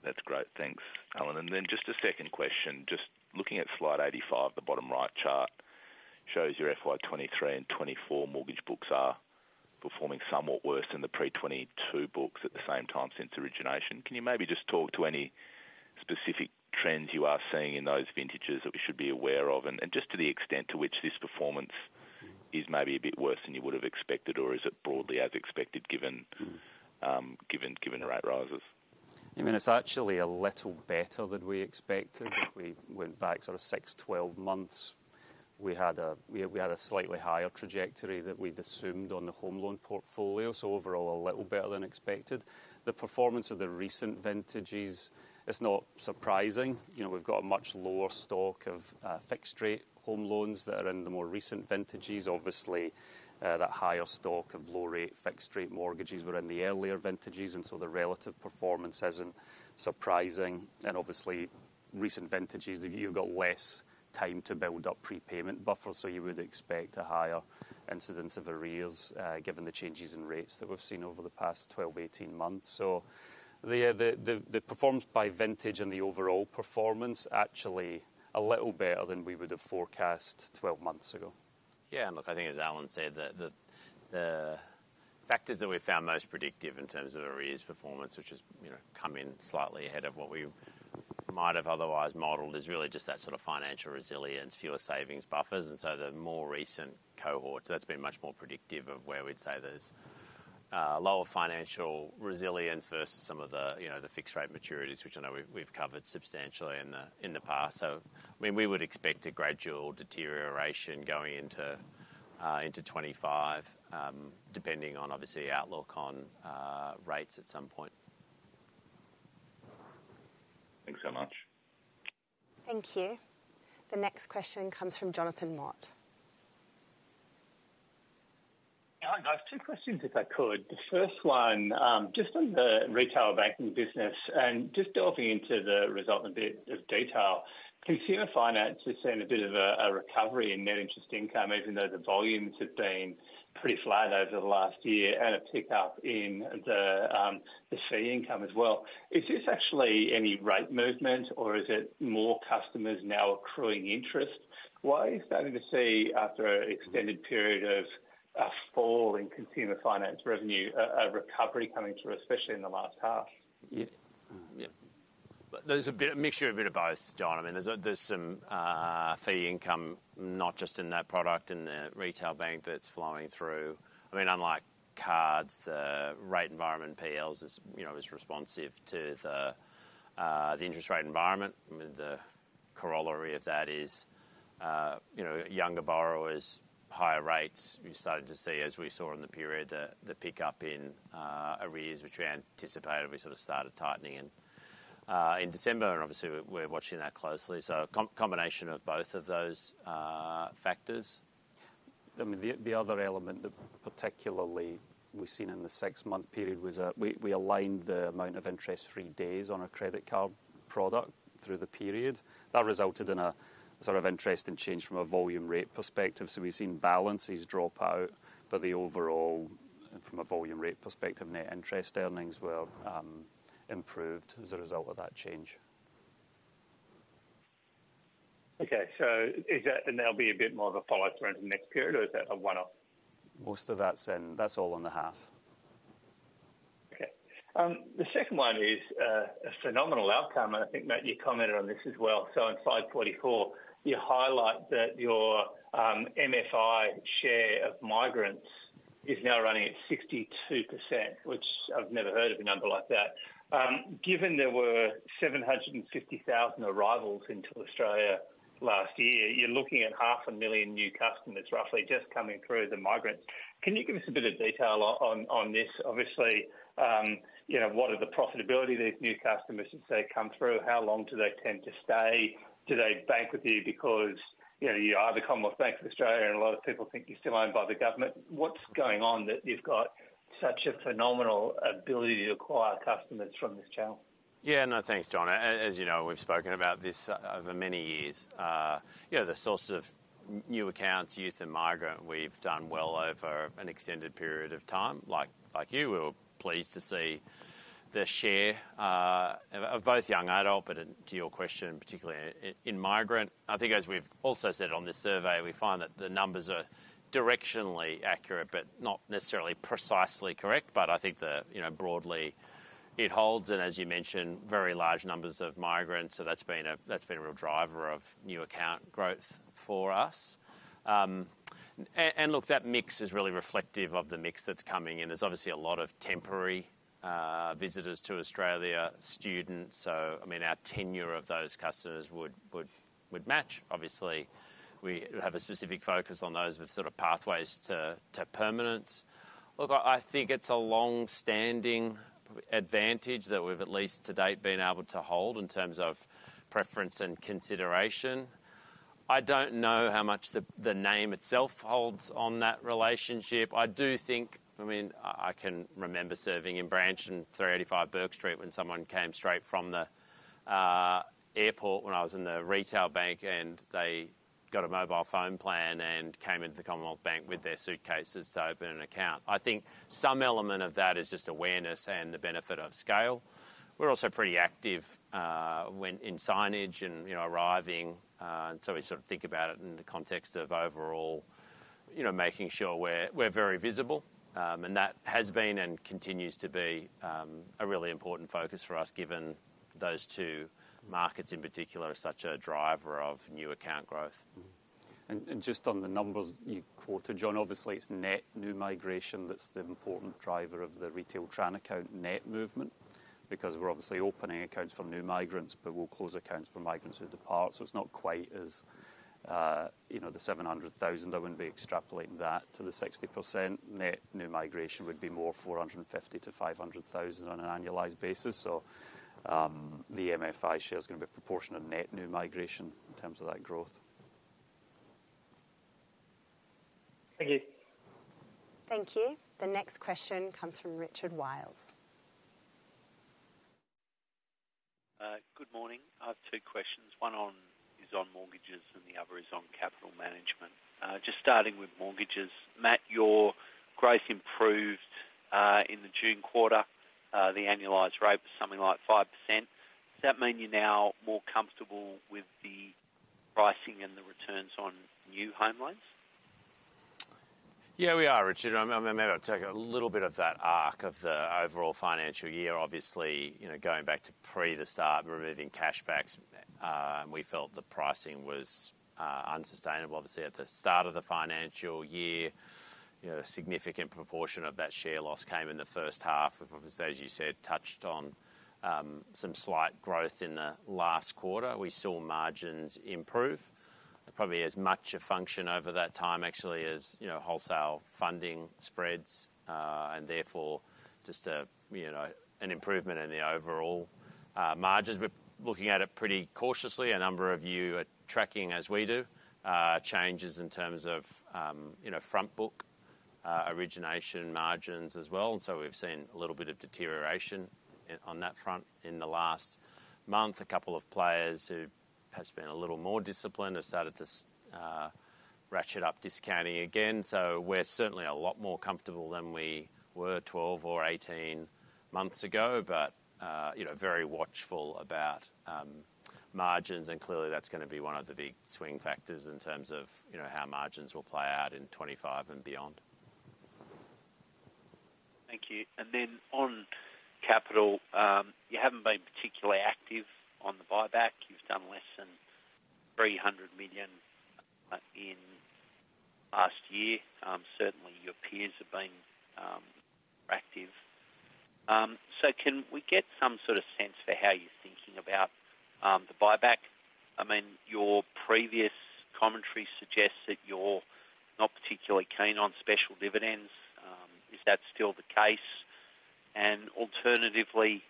That's great. Thanks, Alan. And then just a second question. Just looking at slide 85, the bottom right chart shows your FY 2023 and 2024 mortgage books are performing somewhat worse than the pre-2022 books at the same time since origination. Can you maybe just talk to any specific trends you are seeing in those vintages that we should be aware of, and, and just to the extent to which this performance is maybe a bit worse than you would have expected, or is it broadly as expected, given the rate rises? I mean, it's actually a little better than we expected. If we went back sort of 6, 12 months, we had a, we had a slightly higher trajectory that we'd assumed on the home loan portfolio, so overall, a little better than expected. The performance of the recent vintages is not surprising. You know, we've got a much lower stock of fixed-rate home loans that are in the more recent vintages. Obviously that higher stock of low rate fixed rate mortgages were in the earlier vintages, and so the relative performance isn't surprising. Obviously, recent vintages, you've got less time to build up prepayment buffers, so you would expect a higher incidence of arrears given the changes in rates that we've seen over the past 12-18 months. The performance by vintage and the overall performance actually a little better than we would have forecast 12 months ago. Yeah, and look, I think as Alan said, the factors that we found most predictive in terms of arrears performance, which has, you know, come in slightly ahead of what we might have otherwise modeled, is really just that sort of financial resilience, fewer savings buffers, and so the more recent cohorts, that's been much more predictive of where we'd say there's lower financial resilience versus some of the, you know, the fixed rate maturities, which I know we've covered substantially in the past. So, I mean, we would expect a gradual deterioration going into 2025, depending on obviously outlook on rates at some point. Thanks so much. Thank you. The next question comes from Jonathan Mott. Hi, guys. Two questions, if I could. The first one, just on the retail banking business and just delving into the result in a bit of detail. Consumer finance has seen a bit of a recovery in net interest income, even though the volumes have been pretty flat over the last year and a pickup in the fee income as well. Is this actually any rate movement or is it more customers now accruing interest? Why are you starting to see, after an extended period of a fall in consumer finance revenue, a recovery coming through, especially in the last half? Yeah. Yeah. There's a bit, a mixture of a bit of both, John. I mean, there's, there's some fee income, not just in that product, in the retail bank that's flowing through. I mean, unlike cards, the rate environment PLs is, you know, is responsive to the, the interest rate environment. I mean, the corollary of that is, you know, younger borrowers, higher rates. We started to see, as we saw in the period, the, the pickup in, arrears, which we anticipated. We sort of started tightening in, in December, and obviously we're, we're watching that closely. So combination of both of those factors. I mean, the other element that particularly we've seen in the six-month period was that we aligned the amount of interest-free days on our credit card product through the period. That resulted in a sort of interesting change from a volume rate perspective. So we've seen balances drop out, but the overall, from a volume rate perspective, net interest earnings were improved as a result of that change. Okay. So is that, and there'll be a bit more of a follow through in the next period, or is that a one-off? Most of that's all on the half. Okay. The second one is a phenomenal outcome, and I think, Matt, you commented on this as well. So in 544, you highlight that your MFI share of migrants is now running at 62%, which I've never heard of a number like that. Given there were 750,000 arrivals into Australia last year, you're looking at 500,000 new customers, roughly, just coming through as a migrant. Can you give us a bit of detail on this? Obviously, you know, what are the profitability of these new customers as they come through? How long do they tend to stay? Do they bank with you because, you know, you are the Commonwealth Bank of Australia, and a lot of people think you're still owned by the government? What's going on that you've got such a phenomenal ability to acquire customers from this channel? Yeah, no, thanks, John. As you know, we've spoken about this over many years. You know, the sources of new accounts, youth and migrant, we've done well over an extended period of time. Like you, we were pleased to see the share of both young adult, but to your question, particularly in migrant. I think as we've also said on this survey, we find that the numbers are directionally accurate, but not necessarily precisely correct, but I think you know, broadly it holds, and as you mentioned, very large numbers of migrants, so that's been a real driver of new account growth for us. And look, that mix is really reflective of the mix that's coming in. There's obviously a lot of temporary visitors to Australia, students. So, I mean, our tenure of those customers would match. Obviously, we have a specific focus on those with sort of pathways to permanence. Look, I think it's a long-standing advantage that we've at least to date been able to hold in terms of preference and consideration. I don't know how much the name itself holds on that relationship. I do think... I mean, I can remember serving in branch in 385 Bourke Street when someone came straight from the airport when I was in the retail bank, and they got a mobile phone plan and came into the Commonwealth Bank with their suitcases to open an account. I think some element of that is just awareness and the benefit of scale. We're also pretty active when in signage and, you know, arriving, and so we sort of think about it in the context of overall, you know, making sure we're, we're very visible. And that has been and continues to be a really important focus for us, given those two markets in particular are such a driver of new account growth. Just on the numbers you quoted, John, obviously, it's net new migration that's the important driver of the retail transaction account net movement, because we're obviously opening accounts for new migrants, but we'll close accounts for migrants who depart. So it's not quite as, you know, the 700,000, I wouldn't be extrapolating that to the 60%. Net new migration would be more 450,000-500,000 on an annualized basis. So, the MFI share is going to be a proportion of net new migration in terms of that growth. .Thank you. Thank you. The next question comes from Richard Wiles. Good morning. I have two questions. One on, is on mortgages, and the other is on capital management. Just starting with mortgages, Matt, your growth improved, in the June quarter. The annualized rate was something like 5%. Does that mean you're now more comfortable with the pricing and the returns on new home loans? Yeah, we are, Richard. I mean, maybe I'll take a little bit of that arc of the overall financial year. Obviously, you know, going back to prior to the start, removing cashbacks, and we felt the pricing was unsustainable. Obviously, at the start of the financial year, you know, a significant proportion of that share loss came in the first half, of course, as you said, touched on, some slight growth in the last quarter. We saw margins improve, probably as much a function over that time, actually, as, you know, wholesale funding spreads, and therefore just a, you know, an improvement in the overall margins. We're looking at it pretty cautiously. A number of you are tracking, as we do, changes in terms of, you know, front book, origination margins as well. And so we've seen a little bit of deterioration on that front in the last month. A couple of players who perhaps been a little more disciplined have started to ratchet up discounting again. So we're certainly a lot more comfortable than we were 12 or 18 months ago, but, you know, very watchful about margins, and clearly, that's gonna be one of the big swing factors in terms of, you know, how margins will play out in 25 and beyond. Thank you. Then on capital, you haven't been particularly active on the buyback. You've done less than 300 million in last year. Certainly, your peers have been more active. So can we get some sort of sense for how you're thinking about the buyback? I mean, your previous commentary suggests that you're not particularly keen on special dividends. Is that still the case? And alternatively,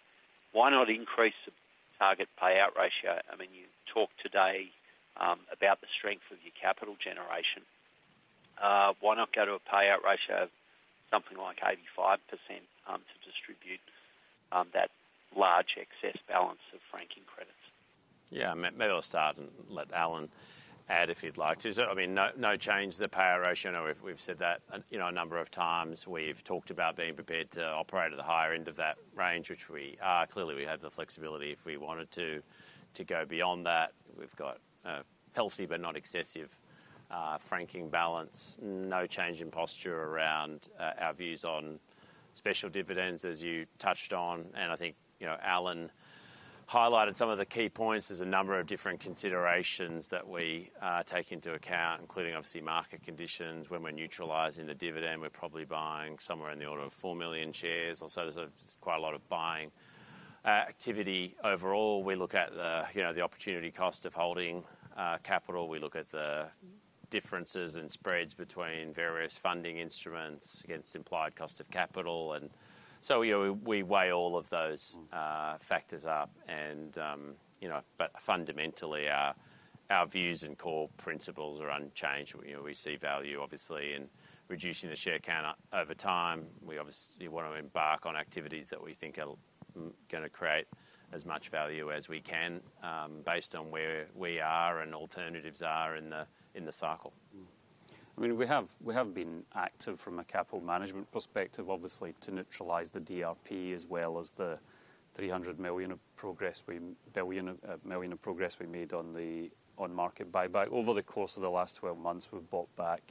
why not increase the target payout ratio? I mean, you talked today about the strength of your capital generation. Why not go to a payout ratio of something like 85% to distribute that large excess balance of franking credits? Yeah, maybe I'll start and let Alan add, if he'd like to. So I mean, no, no change to the payout ratio, and we've, we've said that, you know, a number of times. We've talked about being prepared to operate at the higher end of that range, which we are. Clearly, we have the flexibility if we wanted to, to go beyond that. We've got a healthy but not excessive, franking balance. No change in posture around, our views on special dividends, as you touched on, and I think, you know, Alan highlighted some of the key points. There's a number of different considerations that we take into account, including, obviously, market conditions. When we're neutralizing the dividend, we're probably buying somewhere in the order of 4 million shares or so. There's, quite a lot of buying, activity. Overall, we look at the, you know, the opportunity cost of holding, capital. We look at the differences in spreads between various funding instruments against implied cost of capital. And so, you know, we weigh all of those, factors up and, you know... But fundamentally, our views and core principles are unchanged. You know, we see value, obviously, in reducing the share count over time. We obviously want to embark on activities that we think are gonna create as much value as we can, based on where we are and alternatives are in the, in the cycle. Mm. I mean, we have, we have been active from a capital management perspective, obviously, to neutralize the DRP as well as the 300 million of progress we made on the on-market buyback. Over the course of the last 12 months, we've bought back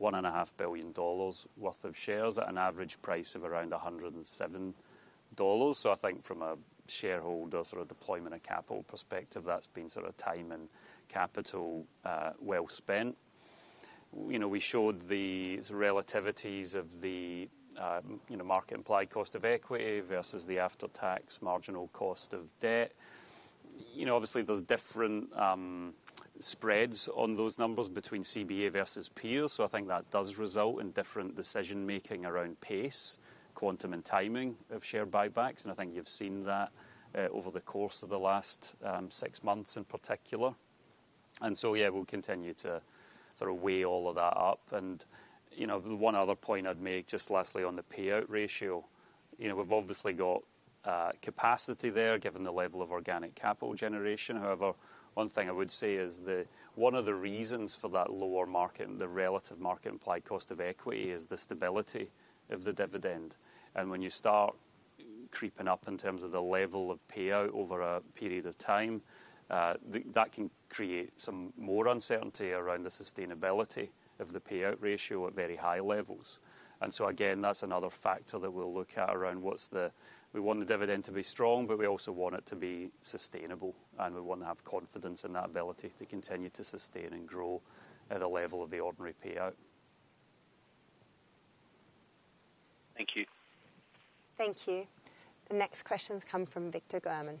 1.5 billion dollars worth of shares at an average price of around 107 dollars. So I think from a shareholder sort of deployment of capital perspective, that's been sort of time and capital, well spent. You know, we showed the relativities of the, you know, market-implied cost of equity versus the after-tax marginal cost of debt. You know, obviously, there's different spreads on those numbers between CBA versus peers, so I think that does result in different decision-making around pace, quantum, and timing of share buybacks, and I think you've seen that over the course of the last six months in particular. And so, yeah, we'll continue to sort of weigh all of that up. And, you know, the one other point I'd make, just lastly, on the payout ratio, you know, we've obviously got capacity there, given the level of organic capital generation. However, one thing I would say is that one of the reasons for that lower market, the relative market-implied cost of equity, is the stability of the dividend. When you start creeping up in terms of the level of payout over a period of time, that can create some more uncertainty around the sustainability of the payout ratio at very high levels. So again, that's another factor that we'll look at around what's the—we want the dividend to be strong, but we also want it to be sustainable, and we want to have confidence in that ability to continue to sustain and grow at a level of the ordinary payout. Thank you. Thank you. The next questions come from Victor German.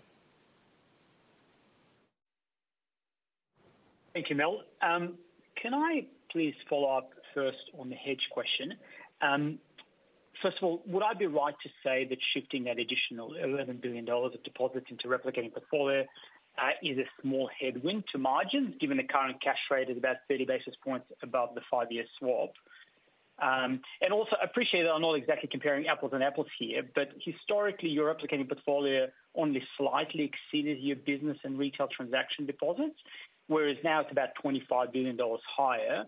Thank you, Mel. Can I please follow up first on the hedge question? First of all, would I be right to say that shifting that additional 11 billion dollars of deposits into Replicating Portfolio is a small headwind to margins, given the current cash rate is about 30 basis points above the 5-year swap? And also, I appreciate that I'm not exactly comparing apples and apples here, but historically, your Replicating Portfolio only slightly exceeded your business and retail transaction deposits, whereas now it's about 25 billion dollars higher.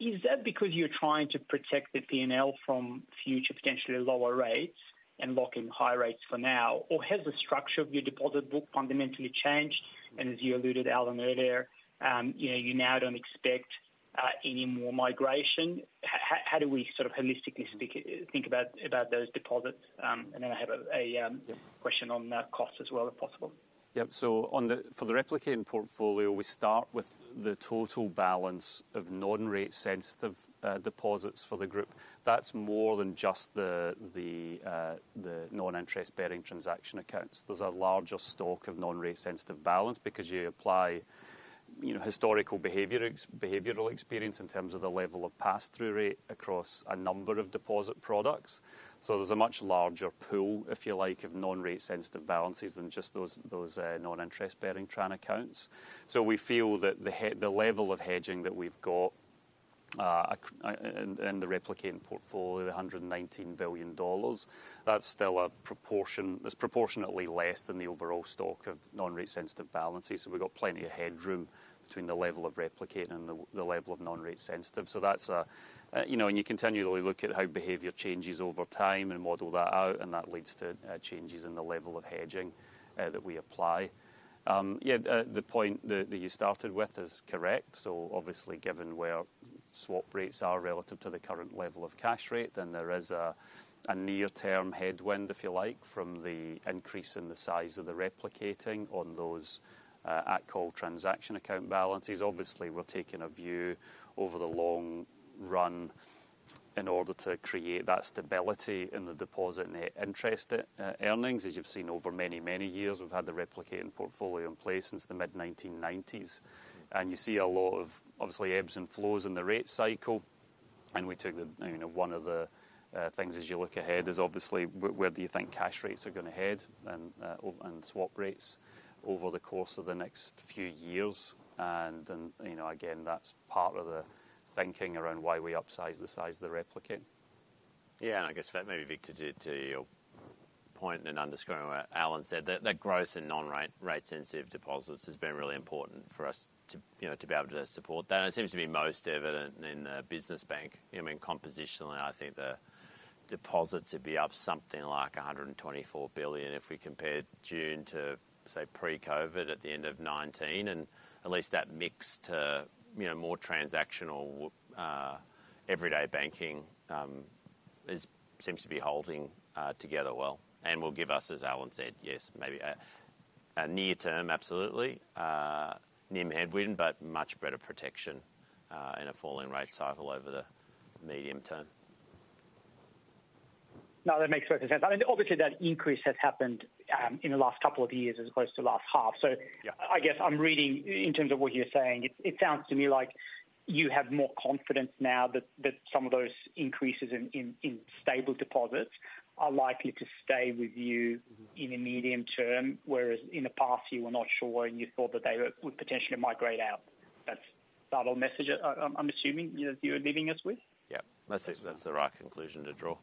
Is that because you're trying to protect the PNL from future potentially lower rates and lock in high rates for now? Or has the structure of your deposit book fundamentally changed, and as you alluded, Alan, earlier, you know, you now don't expect any more migration? How do we sort of holistically speak, think about, about those deposits? And then I have a question on cost as well, if possible. Yep. So on the replicating portfolio, we start with the total balance of non-rate sensitive deposits for the group. That's more than just the non-interest-bearing transaction accounts. There's a larger stock of non-rate sensitive balance because you apply, you know, historical behavior, behavioral experience in terms of the level of pass-through rate across a number of deposit products. So there's a much larger pool, if you like, of non-rate sensitive balances than just those non-interest-bearing transaction accounts. So we feel that the level of hedging that we've got in the replicating portfolio, the 119 billion dollars, that's still a proportion that's proportionately less than the overall stock of non-rate sensitive balances. So we've got plenty of headroom between the level of replicating and the level of non-rate sensitive. So that's, you know, and you continually look at how behavior changes over time and model that out, and that leads to, changes in the level of hedging, that we apply. Yeah, the, the point that, that you started with is correct. So obviously, given where swap rates are relative to the current level of cash rate, then there is a, a near-term headwind, if you like, from the increase in the size of the replicating on those, at-call transaction account balances. Obviously, we're taking a view over the long run in order to create that stability in the deposit net interest, earnings. As you've seen over many, many years, we've had the replicating portfolio in place since the mid-1990s. You see a lot of, obviously, ebbs and flows in the rate cycle, and we took, you know, one of the things as you look ahead is obviously, where do you think cash rates are going to head and, and swap rates over the course of the next few years? And then, you know, again, that's part of the thinking around why we upsize the size of the replicate. Yeah, and I guess maybe, Victor, to your point and underscoring what Alan said, that that growth in non-rate, rate-sensitive deposits has been really important for us to, you know, to be able to support that. And it seems to be most evident in the business bank. I mean, compositionally, I think the deposits would be up something like 124 billion if we compared June to, say, pre-COVID at the end of 2019. And at least that mix to, you know, more transactional, everyday banking, seems to be holding together well and will give us, as Alan said, maybe a near term, absolutely, NIM headwind, but much better protection in a falling rate cycle over the medium term. Now, that makes perfect sense. I mean, obviously, that increase has happened, in the last couple of years as opposed to last half. Yeah. So I guess I'm reading, in terms of what you're saying, it sounds to me like you have more confidence now that some of those increases in stable deposits are likely to stay with you- Mm-hmm. in the medium term, whereas in the past you were not sure, and you thought that they would potentially migrate out. That's subtle message I, I'm assuming, you know, you are leaving us with? Yeah. That's the right conclusion to draw.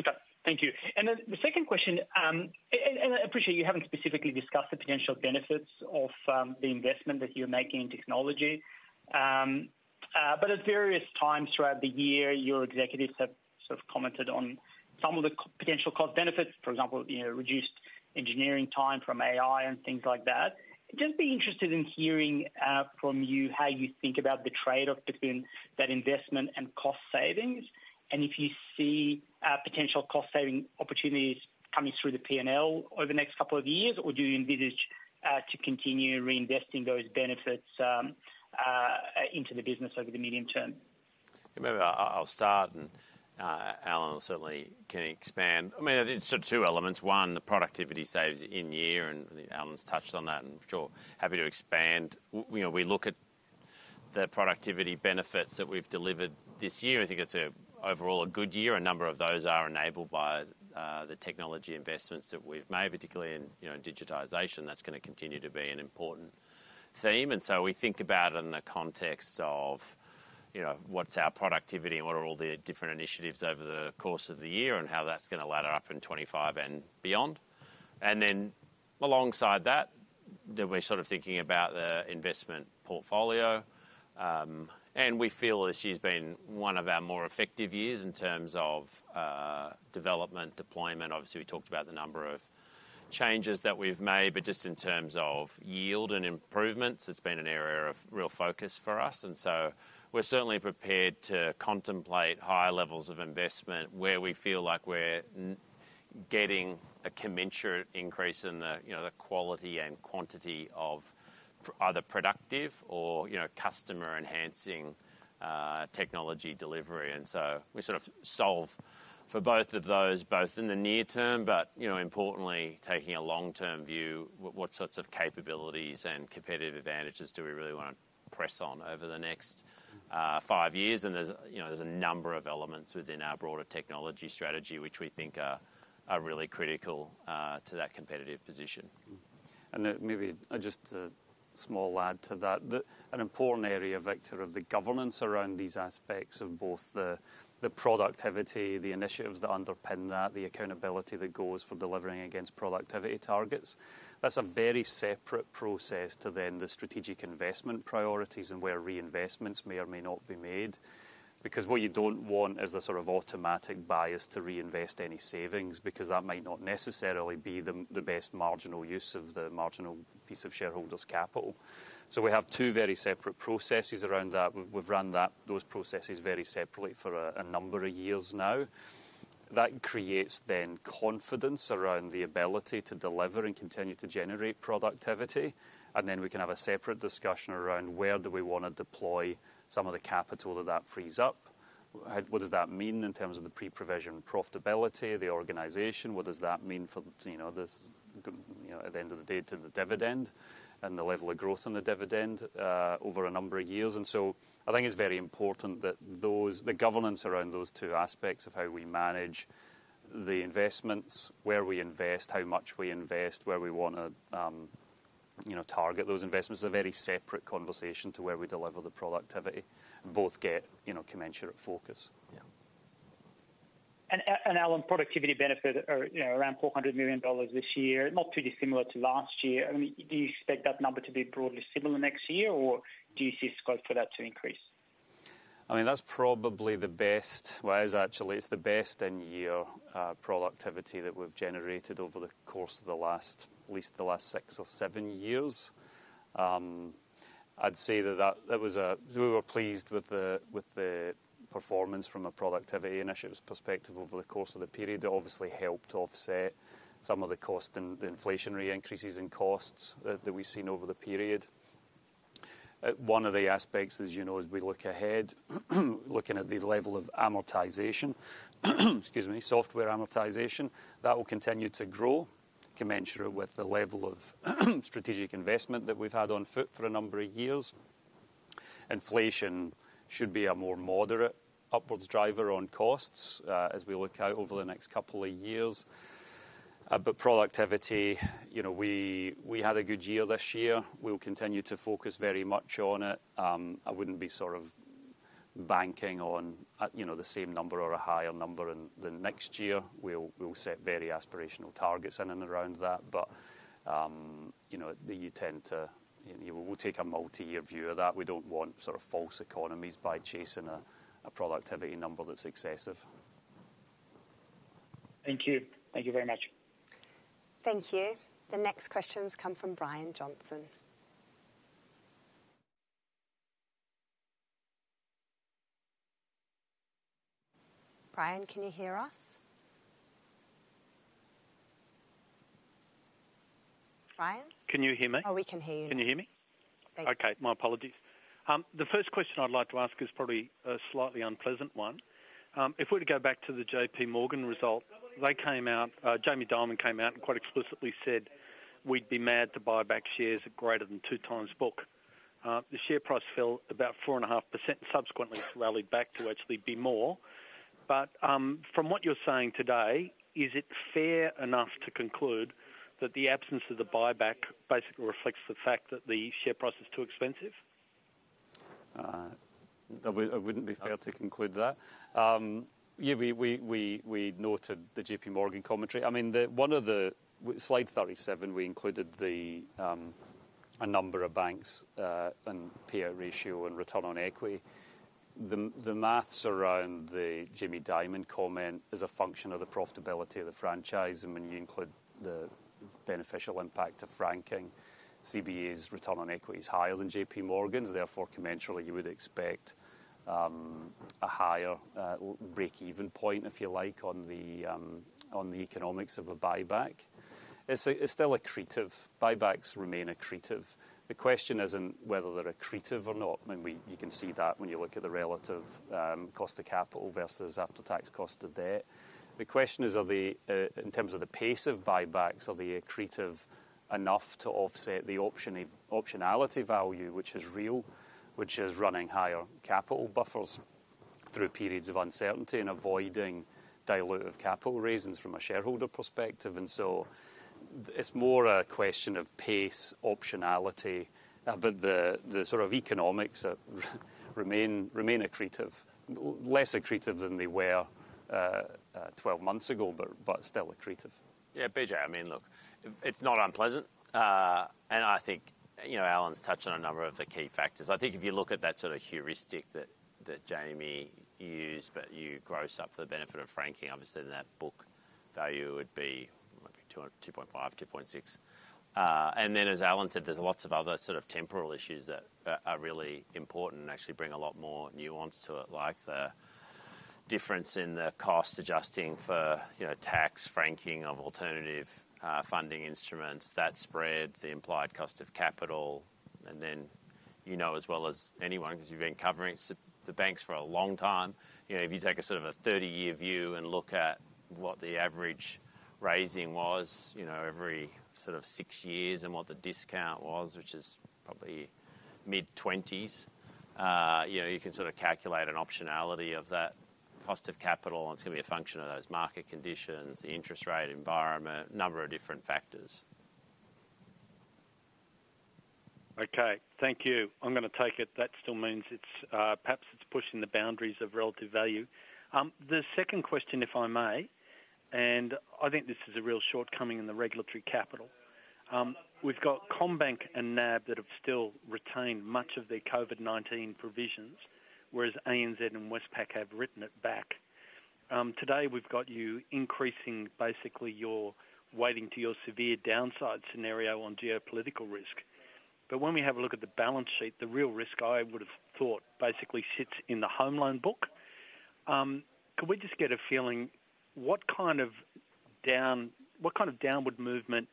Okay, thank you. And then the second question, I appreciate you haven't specifically discussed the potential benefits of the investment that you're making in technology. But at various times throughout the year, your executives have sort of commented on some of the potential cost benefits. For example, you know, reduced engineering time from AI and things like that. Just be interested in hearing from you, how you think about the trade-off between that investment and cost savings, and if you see potential cost-saving opportunities coming through the PNL over the next couple of years, or do you envisage to continue reinvesting those benefits into the business over the medium term? Maybe I'll start, and Alan will certainly expand. I mean, there's two elements. One, the productivity savings this year, and Alan's touched on that, and I'm sure happy to expand. We know, we look at the productivity benefits that we've delivered this year. I think it's overall a good year. A number of those are enabled by the technology investments that we've made, particularly in, you know, digitization. That's going to continue to be an important theme. And so we think about it in the context of, you know, what's our productivity and what are all the different initiatives over the course of the year, and how that's going to ladder up in 25 and beyond. And then alongside that, we're sort of thinking about the investment portfolio, and we feel this year's been one of our more effective years in terms of, development, deployment. Obviously, we talked about the number of changes that we've made, but just in terms of yield and improvements, it's been an area of real focus for us, and so we're certainly prepared to contemplate higher levels of investment where we feel like we're getting a commensurate increase in the, you know, the quality and quantity of either productive or, you know, customer-enhancing, technology delivery. And so we sort of solve for both of those, both in the near term, but, you know, importantly, taking a long-term view, what, what sorts of capabilities and competitive advantages do we really wanna press on over the next, five years? There's, you know, there's a number of elements within our broader technology strategy, which we think are really critical to that competitive position. Mm-hmm. And then maybe just a small add to that, an important area, Victor, of the governance around these aspects of both the productivity, the initiatives that underpin that, the accountability that goes for delivering against productivity targets. That's a very separate process to then the strategic investment priorities and where reinvestments may or may not be made. Because what you don't want is a sort of automatic bias to reinvest any savings, because that might not necessarily be the best marginal use of the marginal piece of shareholders' capital. So we have two very separate processes around that. We've run those processes very separately for a number of years now. That creates then confidence around the ability to deliver and continue to generate productivity, and then we can have a separate discussion around where do we wanna deploy some of the capital that that frees up. What does that mean in terms of the pre-provision profitability, the organization? What does that mean for, you know, this, you know, at the end of the day, to the dividend and the level of growth on the dividend, over a number of years? And so I think it's very important that those... the governance around those two aspects of how we manage the investments, where we invest, how much we invest, where we wanna, you know, target those investments, is a very separate conversation to where we deliver the productivity. Both get, you know, commensurate focus. Yeah. Alan, productivity benefits are, you know, around 400 million dollars this year, not too dissimilar to last year. I mean, do you expect that number to be broadly similar next year, or do you see scope for that to increase? I mean, that's probably the best. Well, it is actually. It's the best end year productivity that we've generated over the course of the last, at least the last six or seven years. I'd say that that was a—we were pleased with the, with the performance from a productivity initiatives perspective over the course of the period. It obviously helped offset some of the cost and the inflationary increases in costs that we've seen over the period. One of the aspects, as you know, as we look ahead, looking at the level of amortization, excuse me, software amortization, that will continue to grow, commensurate with the level of strategic investment that we've had on foot for a number of years. Inflation should be a more moderate upwards driver on costs, as we look out over the next couple of years. But productivity, you know, we had a good year this year. We'll continue to focus very much on it. I wouldn't be sort of banking on, you know, the same number or a higher number in the next year. We'll set very aspirational targets in and around that, but, you know, you tend to, you know... We'll take a multi-year view of that. We don't want sort of false economies by chasing a productivity number that's excessive. Thank you. Thank you very much. Thank you. The next questions come from Brian Johnson. Brian, can you hear us? Brian? Can you hear me? Oh, we can hear you. Can you hear me? Thank you. Okay, my apologies. The first question I'd like to ask is probably a slightly unpleasant one. If we're to go back to the JPMorgan result, they came out, Jamie Dimon came out and quite explicitly said, "We'd be mad to buy back shares at greater than two times book." The share price fell about 4.5%, subsequently rallied back to actually be more. But, from what you're saying today, is it fair enough to conclude that the absence of the buyback basically reflects the fact that the share price is too expensive? It wouldn't be fair to conclude that. Yeah, we noted the JPMorgan commentary. I mean, the one of the slide 37, we included a number of banks and payout ratio and return on equity. The math around the Jamie Dimon comment is a function of the profitability of the franchise. And when you include the beneficial impact of franking, CBA's return on equity is higher than JPMorgan's, therefore, commensurately, you would expect a higher breakeven point, if you like, on the economics of a buyback. It's still accretive. Buybacks remain accretive. The question isn't whether they're accretive or not. I mean, you can see that when you look at the relative cost of capital versus after-tax cost of debt. The question is, are they, in terms of the pace of buybacks, are they accretive enough to offset the optionality value, which is real, which is running higher capital buffers through periods of uncertainty and avoiding dilutive capital raisings from a shareholder perspective? And so it's more a question of pace, optionality, but the sort of economics remain accretive. Less accretive than they were 12 months ago, but still accretive. Yeah, BJ, I mean, look, it's not unpleasant. And I think, you know, Alan's touched on a number of the key factors. I think if you look at that sort of heuristic that Jamie used, but you gross up for the benefit of franking, obviously, then that book value would be maybe AUD 200, 2.5, 2.6. And then, as Alan said, there's lots of other sort of temporal issues that are really important and actually bring a lot more nuance to it, like the difference in the cost adjusting for, you know, tax franking of alternative funding instruments, that spread, the implied cost of capital, and then you know as well as anyone, because you've been covering the banks for a long time. You know, if you take a sort of a 30-year view and look at what the average raising was, you know, every sort of six years and what the discount was, which is probably mid-20s, you know, you can sort of calculate an optionality of that cost of capital, and it's going to be a function of those market conditions, the interest rate environment, number of different factors. Okay, thank you. I'm going to take it. That still means it's, perhaps it's pushing the boundaries of relative value. The second question, if I may, and I think this is a real shortcoming in the regulatory capital. We've got CommBank and NAB that have still retained much of their COVID-19 provisions, whereas ANZ and Westpac have written it back. Today, we've got you increasing, basically, your weighting to your severe downside scenario on geopolitical risk. But when we have a look at the balance sheet, the real risk I would have thought basically sits in the home loan book. Can we just get a feeling, what kind of downward movement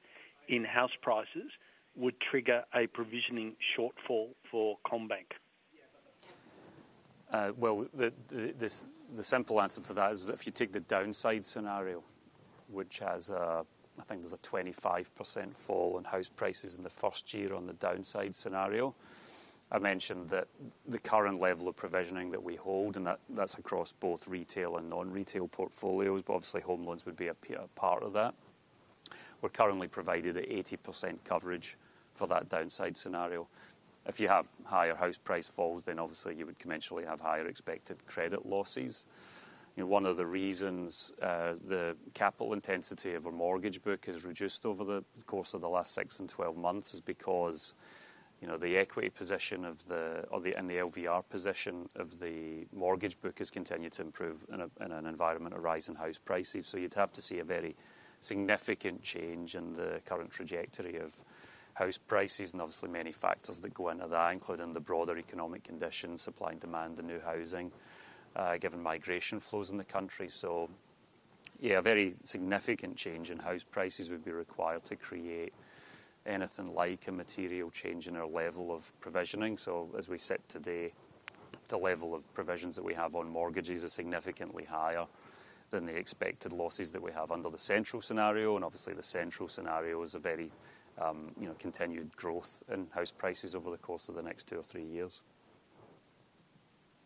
in house prices would trigger a provisioning shortfall for CommBank? Well, the simple answer to that is if you take the downside scenario, which has, I think there's a 25% fall in house prices in the first year on the downside scenario. I mentioned that the current level of provisioning that we hold, and that's across both retail and non-retail portfolios, but obviously, home loans would be a part of that. We're currently provided at 80% coverage for that downside scenario. If you have higher house price falls, then obviously you would conventionally have higher expected credit losses. One of the reasons the capital intensity of a mortgage book is reduced over the course of the last six and 12 months is because, you know, the equity position of the, of the... and the LVR position of the mortgage book has continued to improve in an environment of rising house prices. So you'd have to see a very significant change in the current trajectory of house prices, and obviously many factors that go into that, including the broader economic conditions, supply and demand, the new housing, given migration flows in the country. So yeah, a very significant change in house prices would be required to create anything like a material change in our level of provisioning. So as we sit today, the level of provisions that we have on mortgages are significantly higher than the expected losses that we have under the central scenario. And obviously, the central scenario is a very, you know, continued growth in house prices over the course of the next two or three years.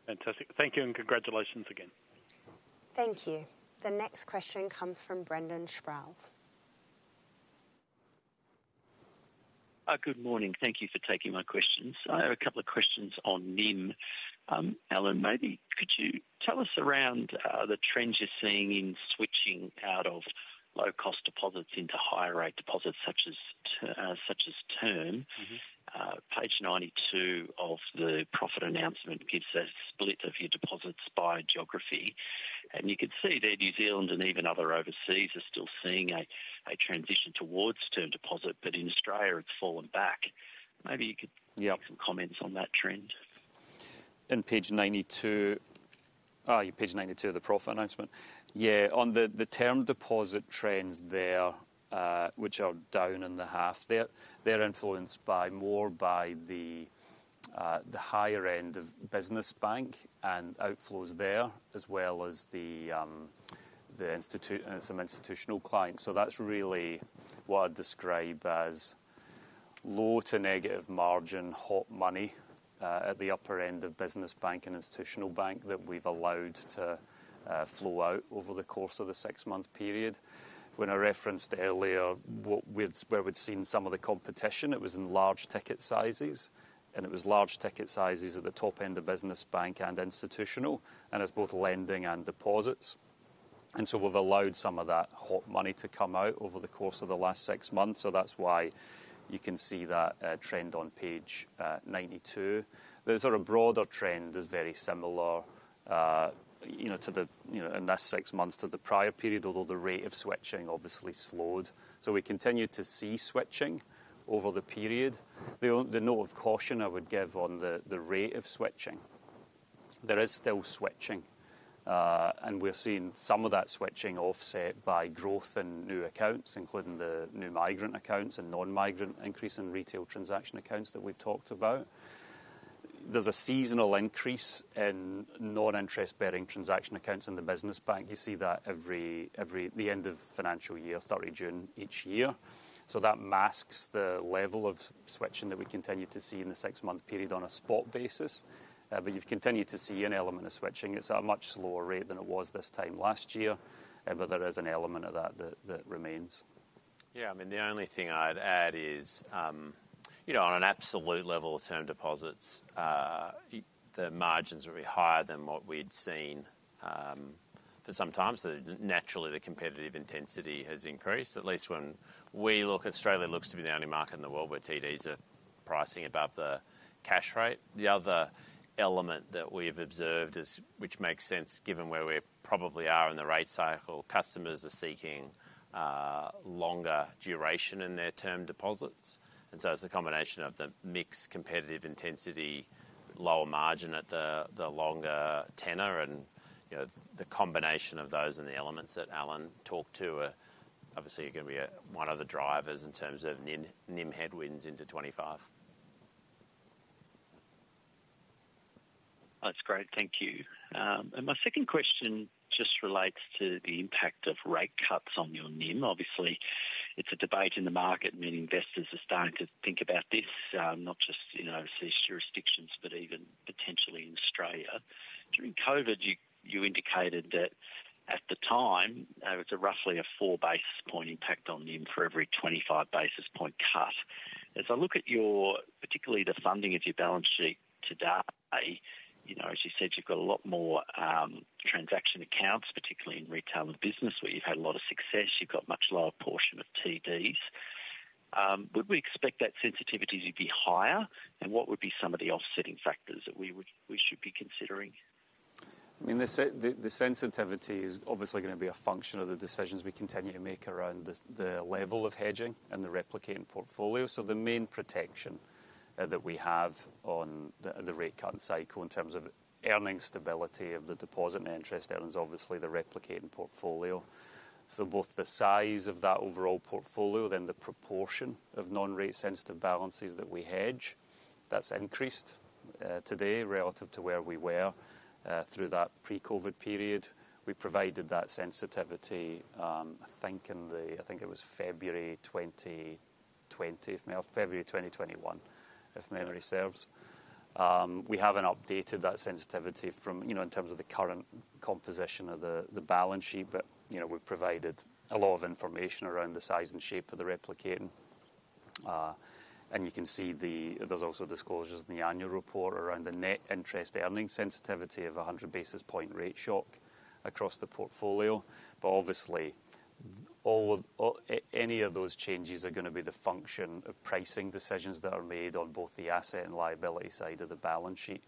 Fantastic. Thank you, and congratulations again. Thank you. The next question comes from Brendan Sproules. Good morning. Thank you for taking my questions. I have a couple of questions on NIM. Alan, maybe could you tell us around the trends you're seeing in switching out of low-cost deposits into higher rate deposits, such as term? Mm-hmm. Page 92 of the profit announcement gives a split of your deposits by geography, and you can see there, New Zealand and even other overseas are still seeing a transition towards term deposit, but in Australia, it's fallen back. Maybe you could- Yeah. Give some comments on that trend. In page 92 of the profit announcement. Yeah, on the term deposit trends there, which are down in the half, they're influenced more by the higher end of business bank and outflows there, as well as some institutional clients. So that's really what I'd describe as low to negative margin, hot money, at the upper end of business bank and institutional bank that we've allowed to flow out over the course of the six-month period. When I referenced earlier, where we'd seen some of the competition, it was in large ticket sizes, and it was large ticket sizes at the top end of business bank and institutional, and it's both lending and deposits. And so we've allowed some of that hot money to come out over the course of the last six months, so that's why you can see that, trend on page 92. The sort of broader trend is very similar, you know, to the, you know, in the last six months to the prior period, although the rate of switching obviously slowed. So we continued to see switching over the period. The note of caution I would give on the rate of switching, there is still switching, and we're seeing some of that switching offset by growth in new accounts, including the new migrant accounts and non-migrant increase in retail transaction accounts that we've talked about. There's a seasonal increase in non-interest-bearing transaction accounts in the business bank. You see that every end of financial year, 30 June each year. So that masks the level of switching that we continue to see in the six-month period on a spot basis. But you've continued to see an element of switching. It's at a much slower rate than it was this time last year, but there is an element of that that remains. Yeah, I mean, the only thing I'd add is, you know, on an absolute level of term deposits, the margins will be higher than what we'd seen, for some time. So naturally, the competitive intensity has increased, at least when we look, Australia looks to be the only market in the world where TDs are pricing above the cash rate. The other element that we've observed is, which makes sense, given where we probably are in the rate cycle, customers are seeking, longer duration in their term deposits. And so it's a combination of the mix, competitive intensity, lower margin at the longer tenor. And, you know, the combination of those and the elements that Alan talked to are obviously going to be one of the drivers in terms of NIM, NIM headwinds into 25. That's great. Thank you. And my second question just relates to the impact of rate cuts on your NIM. Obviously, it's a debate in the market, and many investors are starting to think about this, not just, you know, overseas jurisdictions, but even potentially in Australia. During COVID, you indicated that at the time, it's roughly a 4 basis point impact on NIM for every 25 basis point cut. As I look at your, particularly the funding of your balance sheet today, you know, as you said, you've got a lot more transaction accounts, particularly in retail and business, where you've had a lot of success. You've got much lower portion of TDs. Would we expect that sensitivity to be higher? And what would be some of the offsetting factors that we would- we should be considering? I mean, the sensitivity is obviously going to be a function of the decisions we continue to make around the level of hedging and the replicating portfolio. So the main protection that we have on the rate cut cycle in terms of earnings stability of the deposit and interest earnings, obviously the replicating portfolio. So both the size of that overall portfolio, then the proportion of non-rate sensitive balances that we hedge, that's increased today relative to where we were through that pre-COVID period. We provided that sensitivity, I think in the... I think it was February 2020, or February 2021, if memory serves. We haven't updated that sensitivity from, you know, in terms of the current composition of the balance sheet, but, you know, we've provided a lot of information around the size and shape of the replicating. And you can see there's also disclosures in the annual report around the net interest earnings sensitivity of 100 basis points rate shock across the portfolio. But obviously, all, any of those changes are going to be the function of pricing decisions that are made on both the asset and liability side of the balance sheet.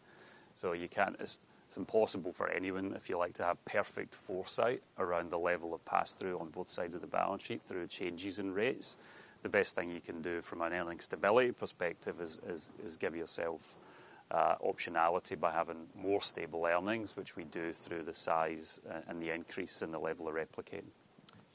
So you can't... It's impossible for anyone, if you like, to have perfect foresight around the level of pass-through on both sides of the balance sheet through changes in rates. The best thing you can do from an earnings stability perspective is give yourself optionality by having more stable earnings, which we do through the size and the increase in the level of replicating.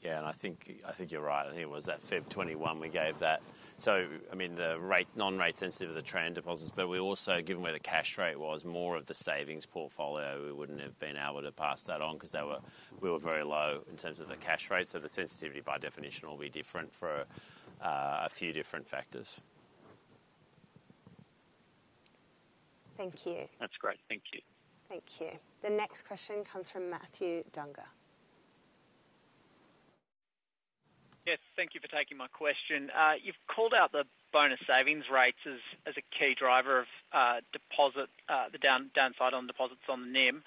Yeah, and I think, I think you're right. I think it was that February 2021 we gave that. So, I mean, the rate, non-rate sensitive of the trend deposits, but we also, given where the cash rate was, more of the savings portfolio, we wouldn't have been able to pass that on because they were-- we were very low in terms of the cash rate. So the sensitivity, by definition, will be different for a few different factors. Thank you. That's great. Thank you. Thank you. The next question comes from Matthew Dunger. Yes, thank you for taking my question. You've called out the bonus savings rates as, as a key driver of, deposit, the downside on deposits on the NIM.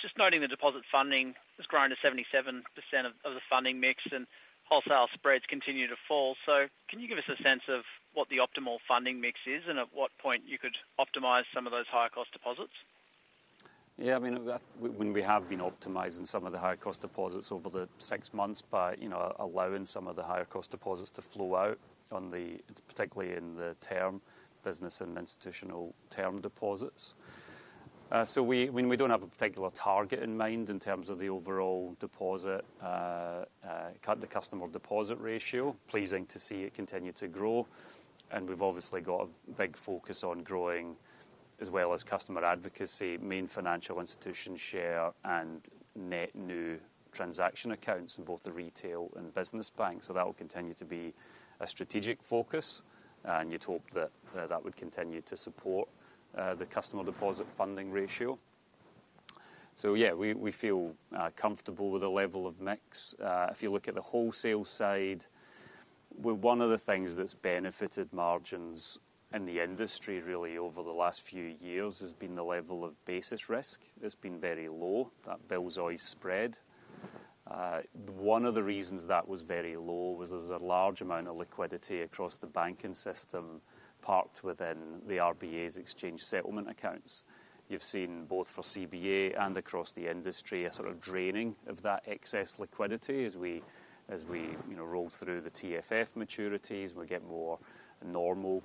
Just noting the deposit funding has grown to 77% of, of the funding mix, and wholesale spreads continue to fall. So can you give us a sense of what the optimal funding mix is, and at what point you could optimize some of those higher cost deposits? Yeah, I mean, that we have been optimizing some of the higher cost deposits over the six months by, you know, allowing some of the higher cost deposits to flow out, particularly in the term business and institutional term deposits. So we don't have a particular target in mind in terms of the overall deposit-to-customer deposit ratio. Pleasing to see it continue to grow. And we've obviously got a big focus on growing, as well as customer advocacy, Main Financial Institution share, and net new transaction accounts in both the retail and business bank. So that will continue to be a strategic focus, and you'd hope that that would continue to support the customer deposit funding ratio. So yeah, we feel comfortable with the level of mix. If you look at the wholesale side, well, one of the things that's benefited margins in the industry, really, over the last few years has been the level of basis risk. It's been very low, the BBSW spread. One of the reasons that was very low was there was a large amount of liquidity across the banking system parked within the RBA's Exchange Settlement accounts. You've seen, both for CBA and across the industry, a sort of draining of that excess liquidity as we, you know, roll through the TFF maturities, we get more normal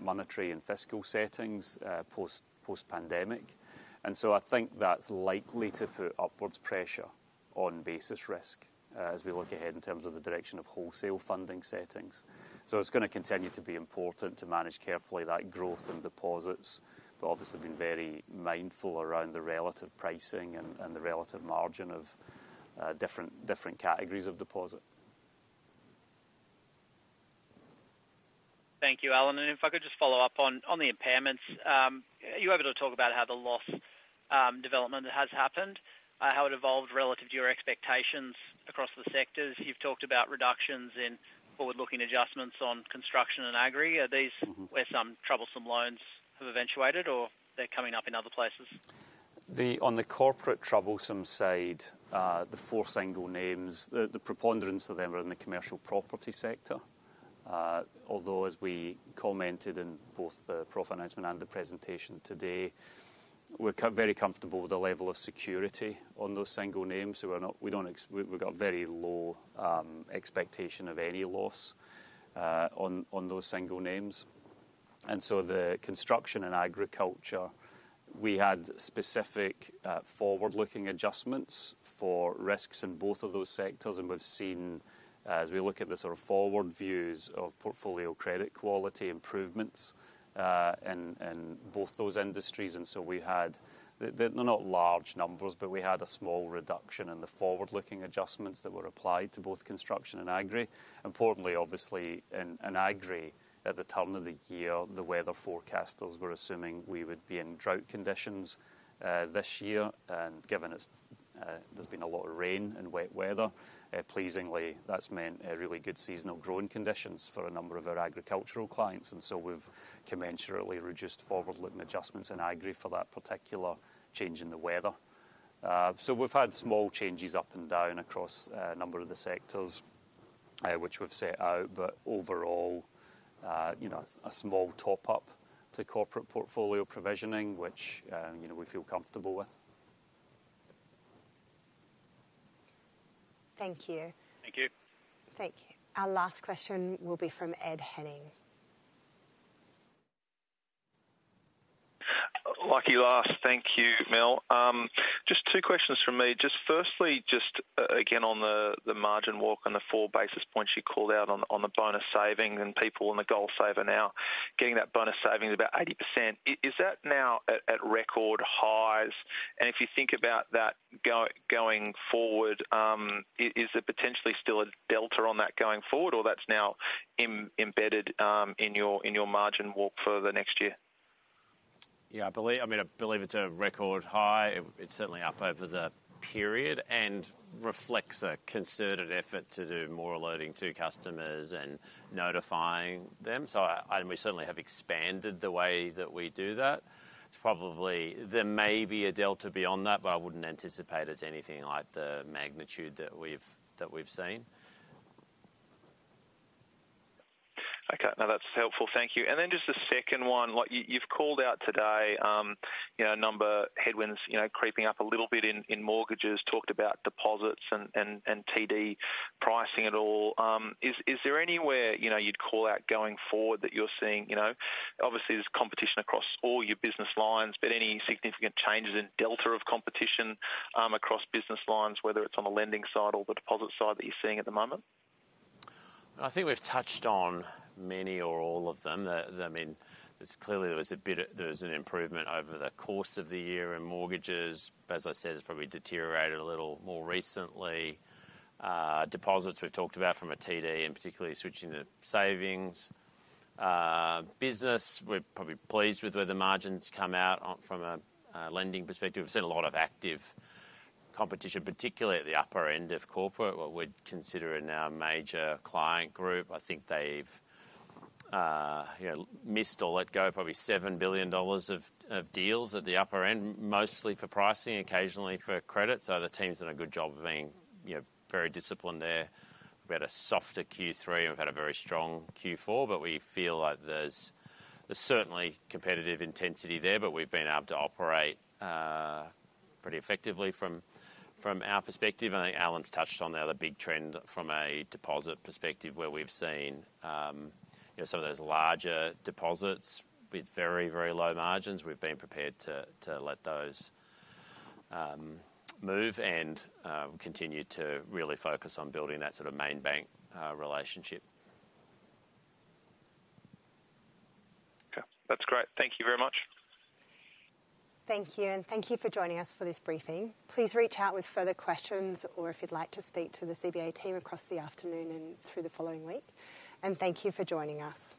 monetary and fiscal settings, post-pandemic. And so I think that's likely to put upwards pressure on basis risk, as we look ahead in terms of the direction of wholesale funding settings. It's going to continue to be important to manage carefully that growth in deposits, but obviously, being very mindful around the relative pricing and the relative margin of different categories of deposit. Thank you, Alan. If I could just follow up on the impairments. Are you able to talk about how the loss development has happened, how it evolved relative to your expectations across the sectors? You've talked about reductions in forward-looking adjustments on construction and agri. Are these- Mm-hmm... where some troublesome loans have eventuated, or they're coming up in other places? On the corporate troublesome side, the four single names, the preponderance of them are in the commercial property sector. Although, as we commented in both the profit announcement and the presentation today, we're very comfortable with the level of security on those single names, so we're not. We don't expect. We've got very low expectation of any loss on those single names. And so the construction and agriculture, we had specific forward-looking adjustments for risks in both of those sectors, and we've seen, as we look at the sort of forward views of portfolio credit quality improvements in both those industries. And so we had. They're not large numbers, but we had a small reduction in the forward-looking adjustments that were applied to both construction and agri. Importantly, obviously, in agri, at the turn of the year, the weather forecasters were assuming we would be in drought conditions this year, and given it's, there's been a lot of rain and wet weather, pleasingly, that's meant a really good seasonal growing conditions for a number of our agricultural clients, and so we've commensurately reduced forward-looking adjustments in agri for that particular change in the weather. So we've had small changes up and down across a number of the sectors, which we've set out, but overall, you know, a small top up to corporate portfolio provisioning, which, you know, we feel comfortable with. Thank you. Thank you. Thank you. Our last question will be from Ed Henning. Lucky last. Thank you, Mel. Just two questions from me. Just firstly, just again, on the margin walk and the four basis points you called out on the bonus saving and people on the GoalSaver now getting that bonus saving is about 80%. Is that now at record highs? And if you think about that going forward, is there potentially still a delta on that going forward, or that's now embedded in your margin walk for the next year? Yeah, I believe—I mean, I believe it's a record high. It, it's certainly up over the period and reflects a concerted effort to do more alerting to customers and notifying them. So I, and we certainly have expanded the way that we do that. It's probably... There may be a delta beyond that, but I wouldn't anticipate it's anything like the magnitude that we've, that we've seen. Okay. Now, that's helpful. Thank you. And then just the second one, like you, you've called out today, you know, a number of headwinds, you know, creeping up a little bit in mortgages, talked about deposits and TD pricing it all. Is there anywhere, you know, you'd call out going forward that you're seeing, you know... Obviously, there's competition across all your business lines, but any significant changes in delta of competition, across business lines, whether it's on the lending side or the deposit side, that you're seeing at the moment? I think we've touched on many or all of them. I mean, there's clearly an improvement over the course of the year in mortgages, but as I said, it's probably deteriorated a little more recently. Deposits, we've talked about from a TD and particularly switching to savings. Business, we're probably pleased with where the margins come out on from a lending perspective. We've seen a lot of active competition, particularly at the upper end of corporate, what we'd consider in our Major Client Group. I think they've, you know, missed or let go probably 7 billion dollars of deals at the upper end, mostly for pricing, occasionally for credit. So the team's done a good job of being, you know, very disciplined there. We had a softer Q3, and we've had a very strong Q4, but we feel like there's certainly competitive intensity there, but we've been able to operate pretty effectively from our perspective. And I think Alan's touched on the other big trend from a deposit perspective, where we've seen you know, some of those larger deposits with very, very low margins. We've been prepared to let those move and continue to really focus on building that sort of main bank relationship. Okay. That's great. Thank you very much. Thank you, and thank you for joining us for this briefing. Please reach out with further questions or if you'd like to speak to the CBA team across the afternoon and through the following week, and thank you for joining us.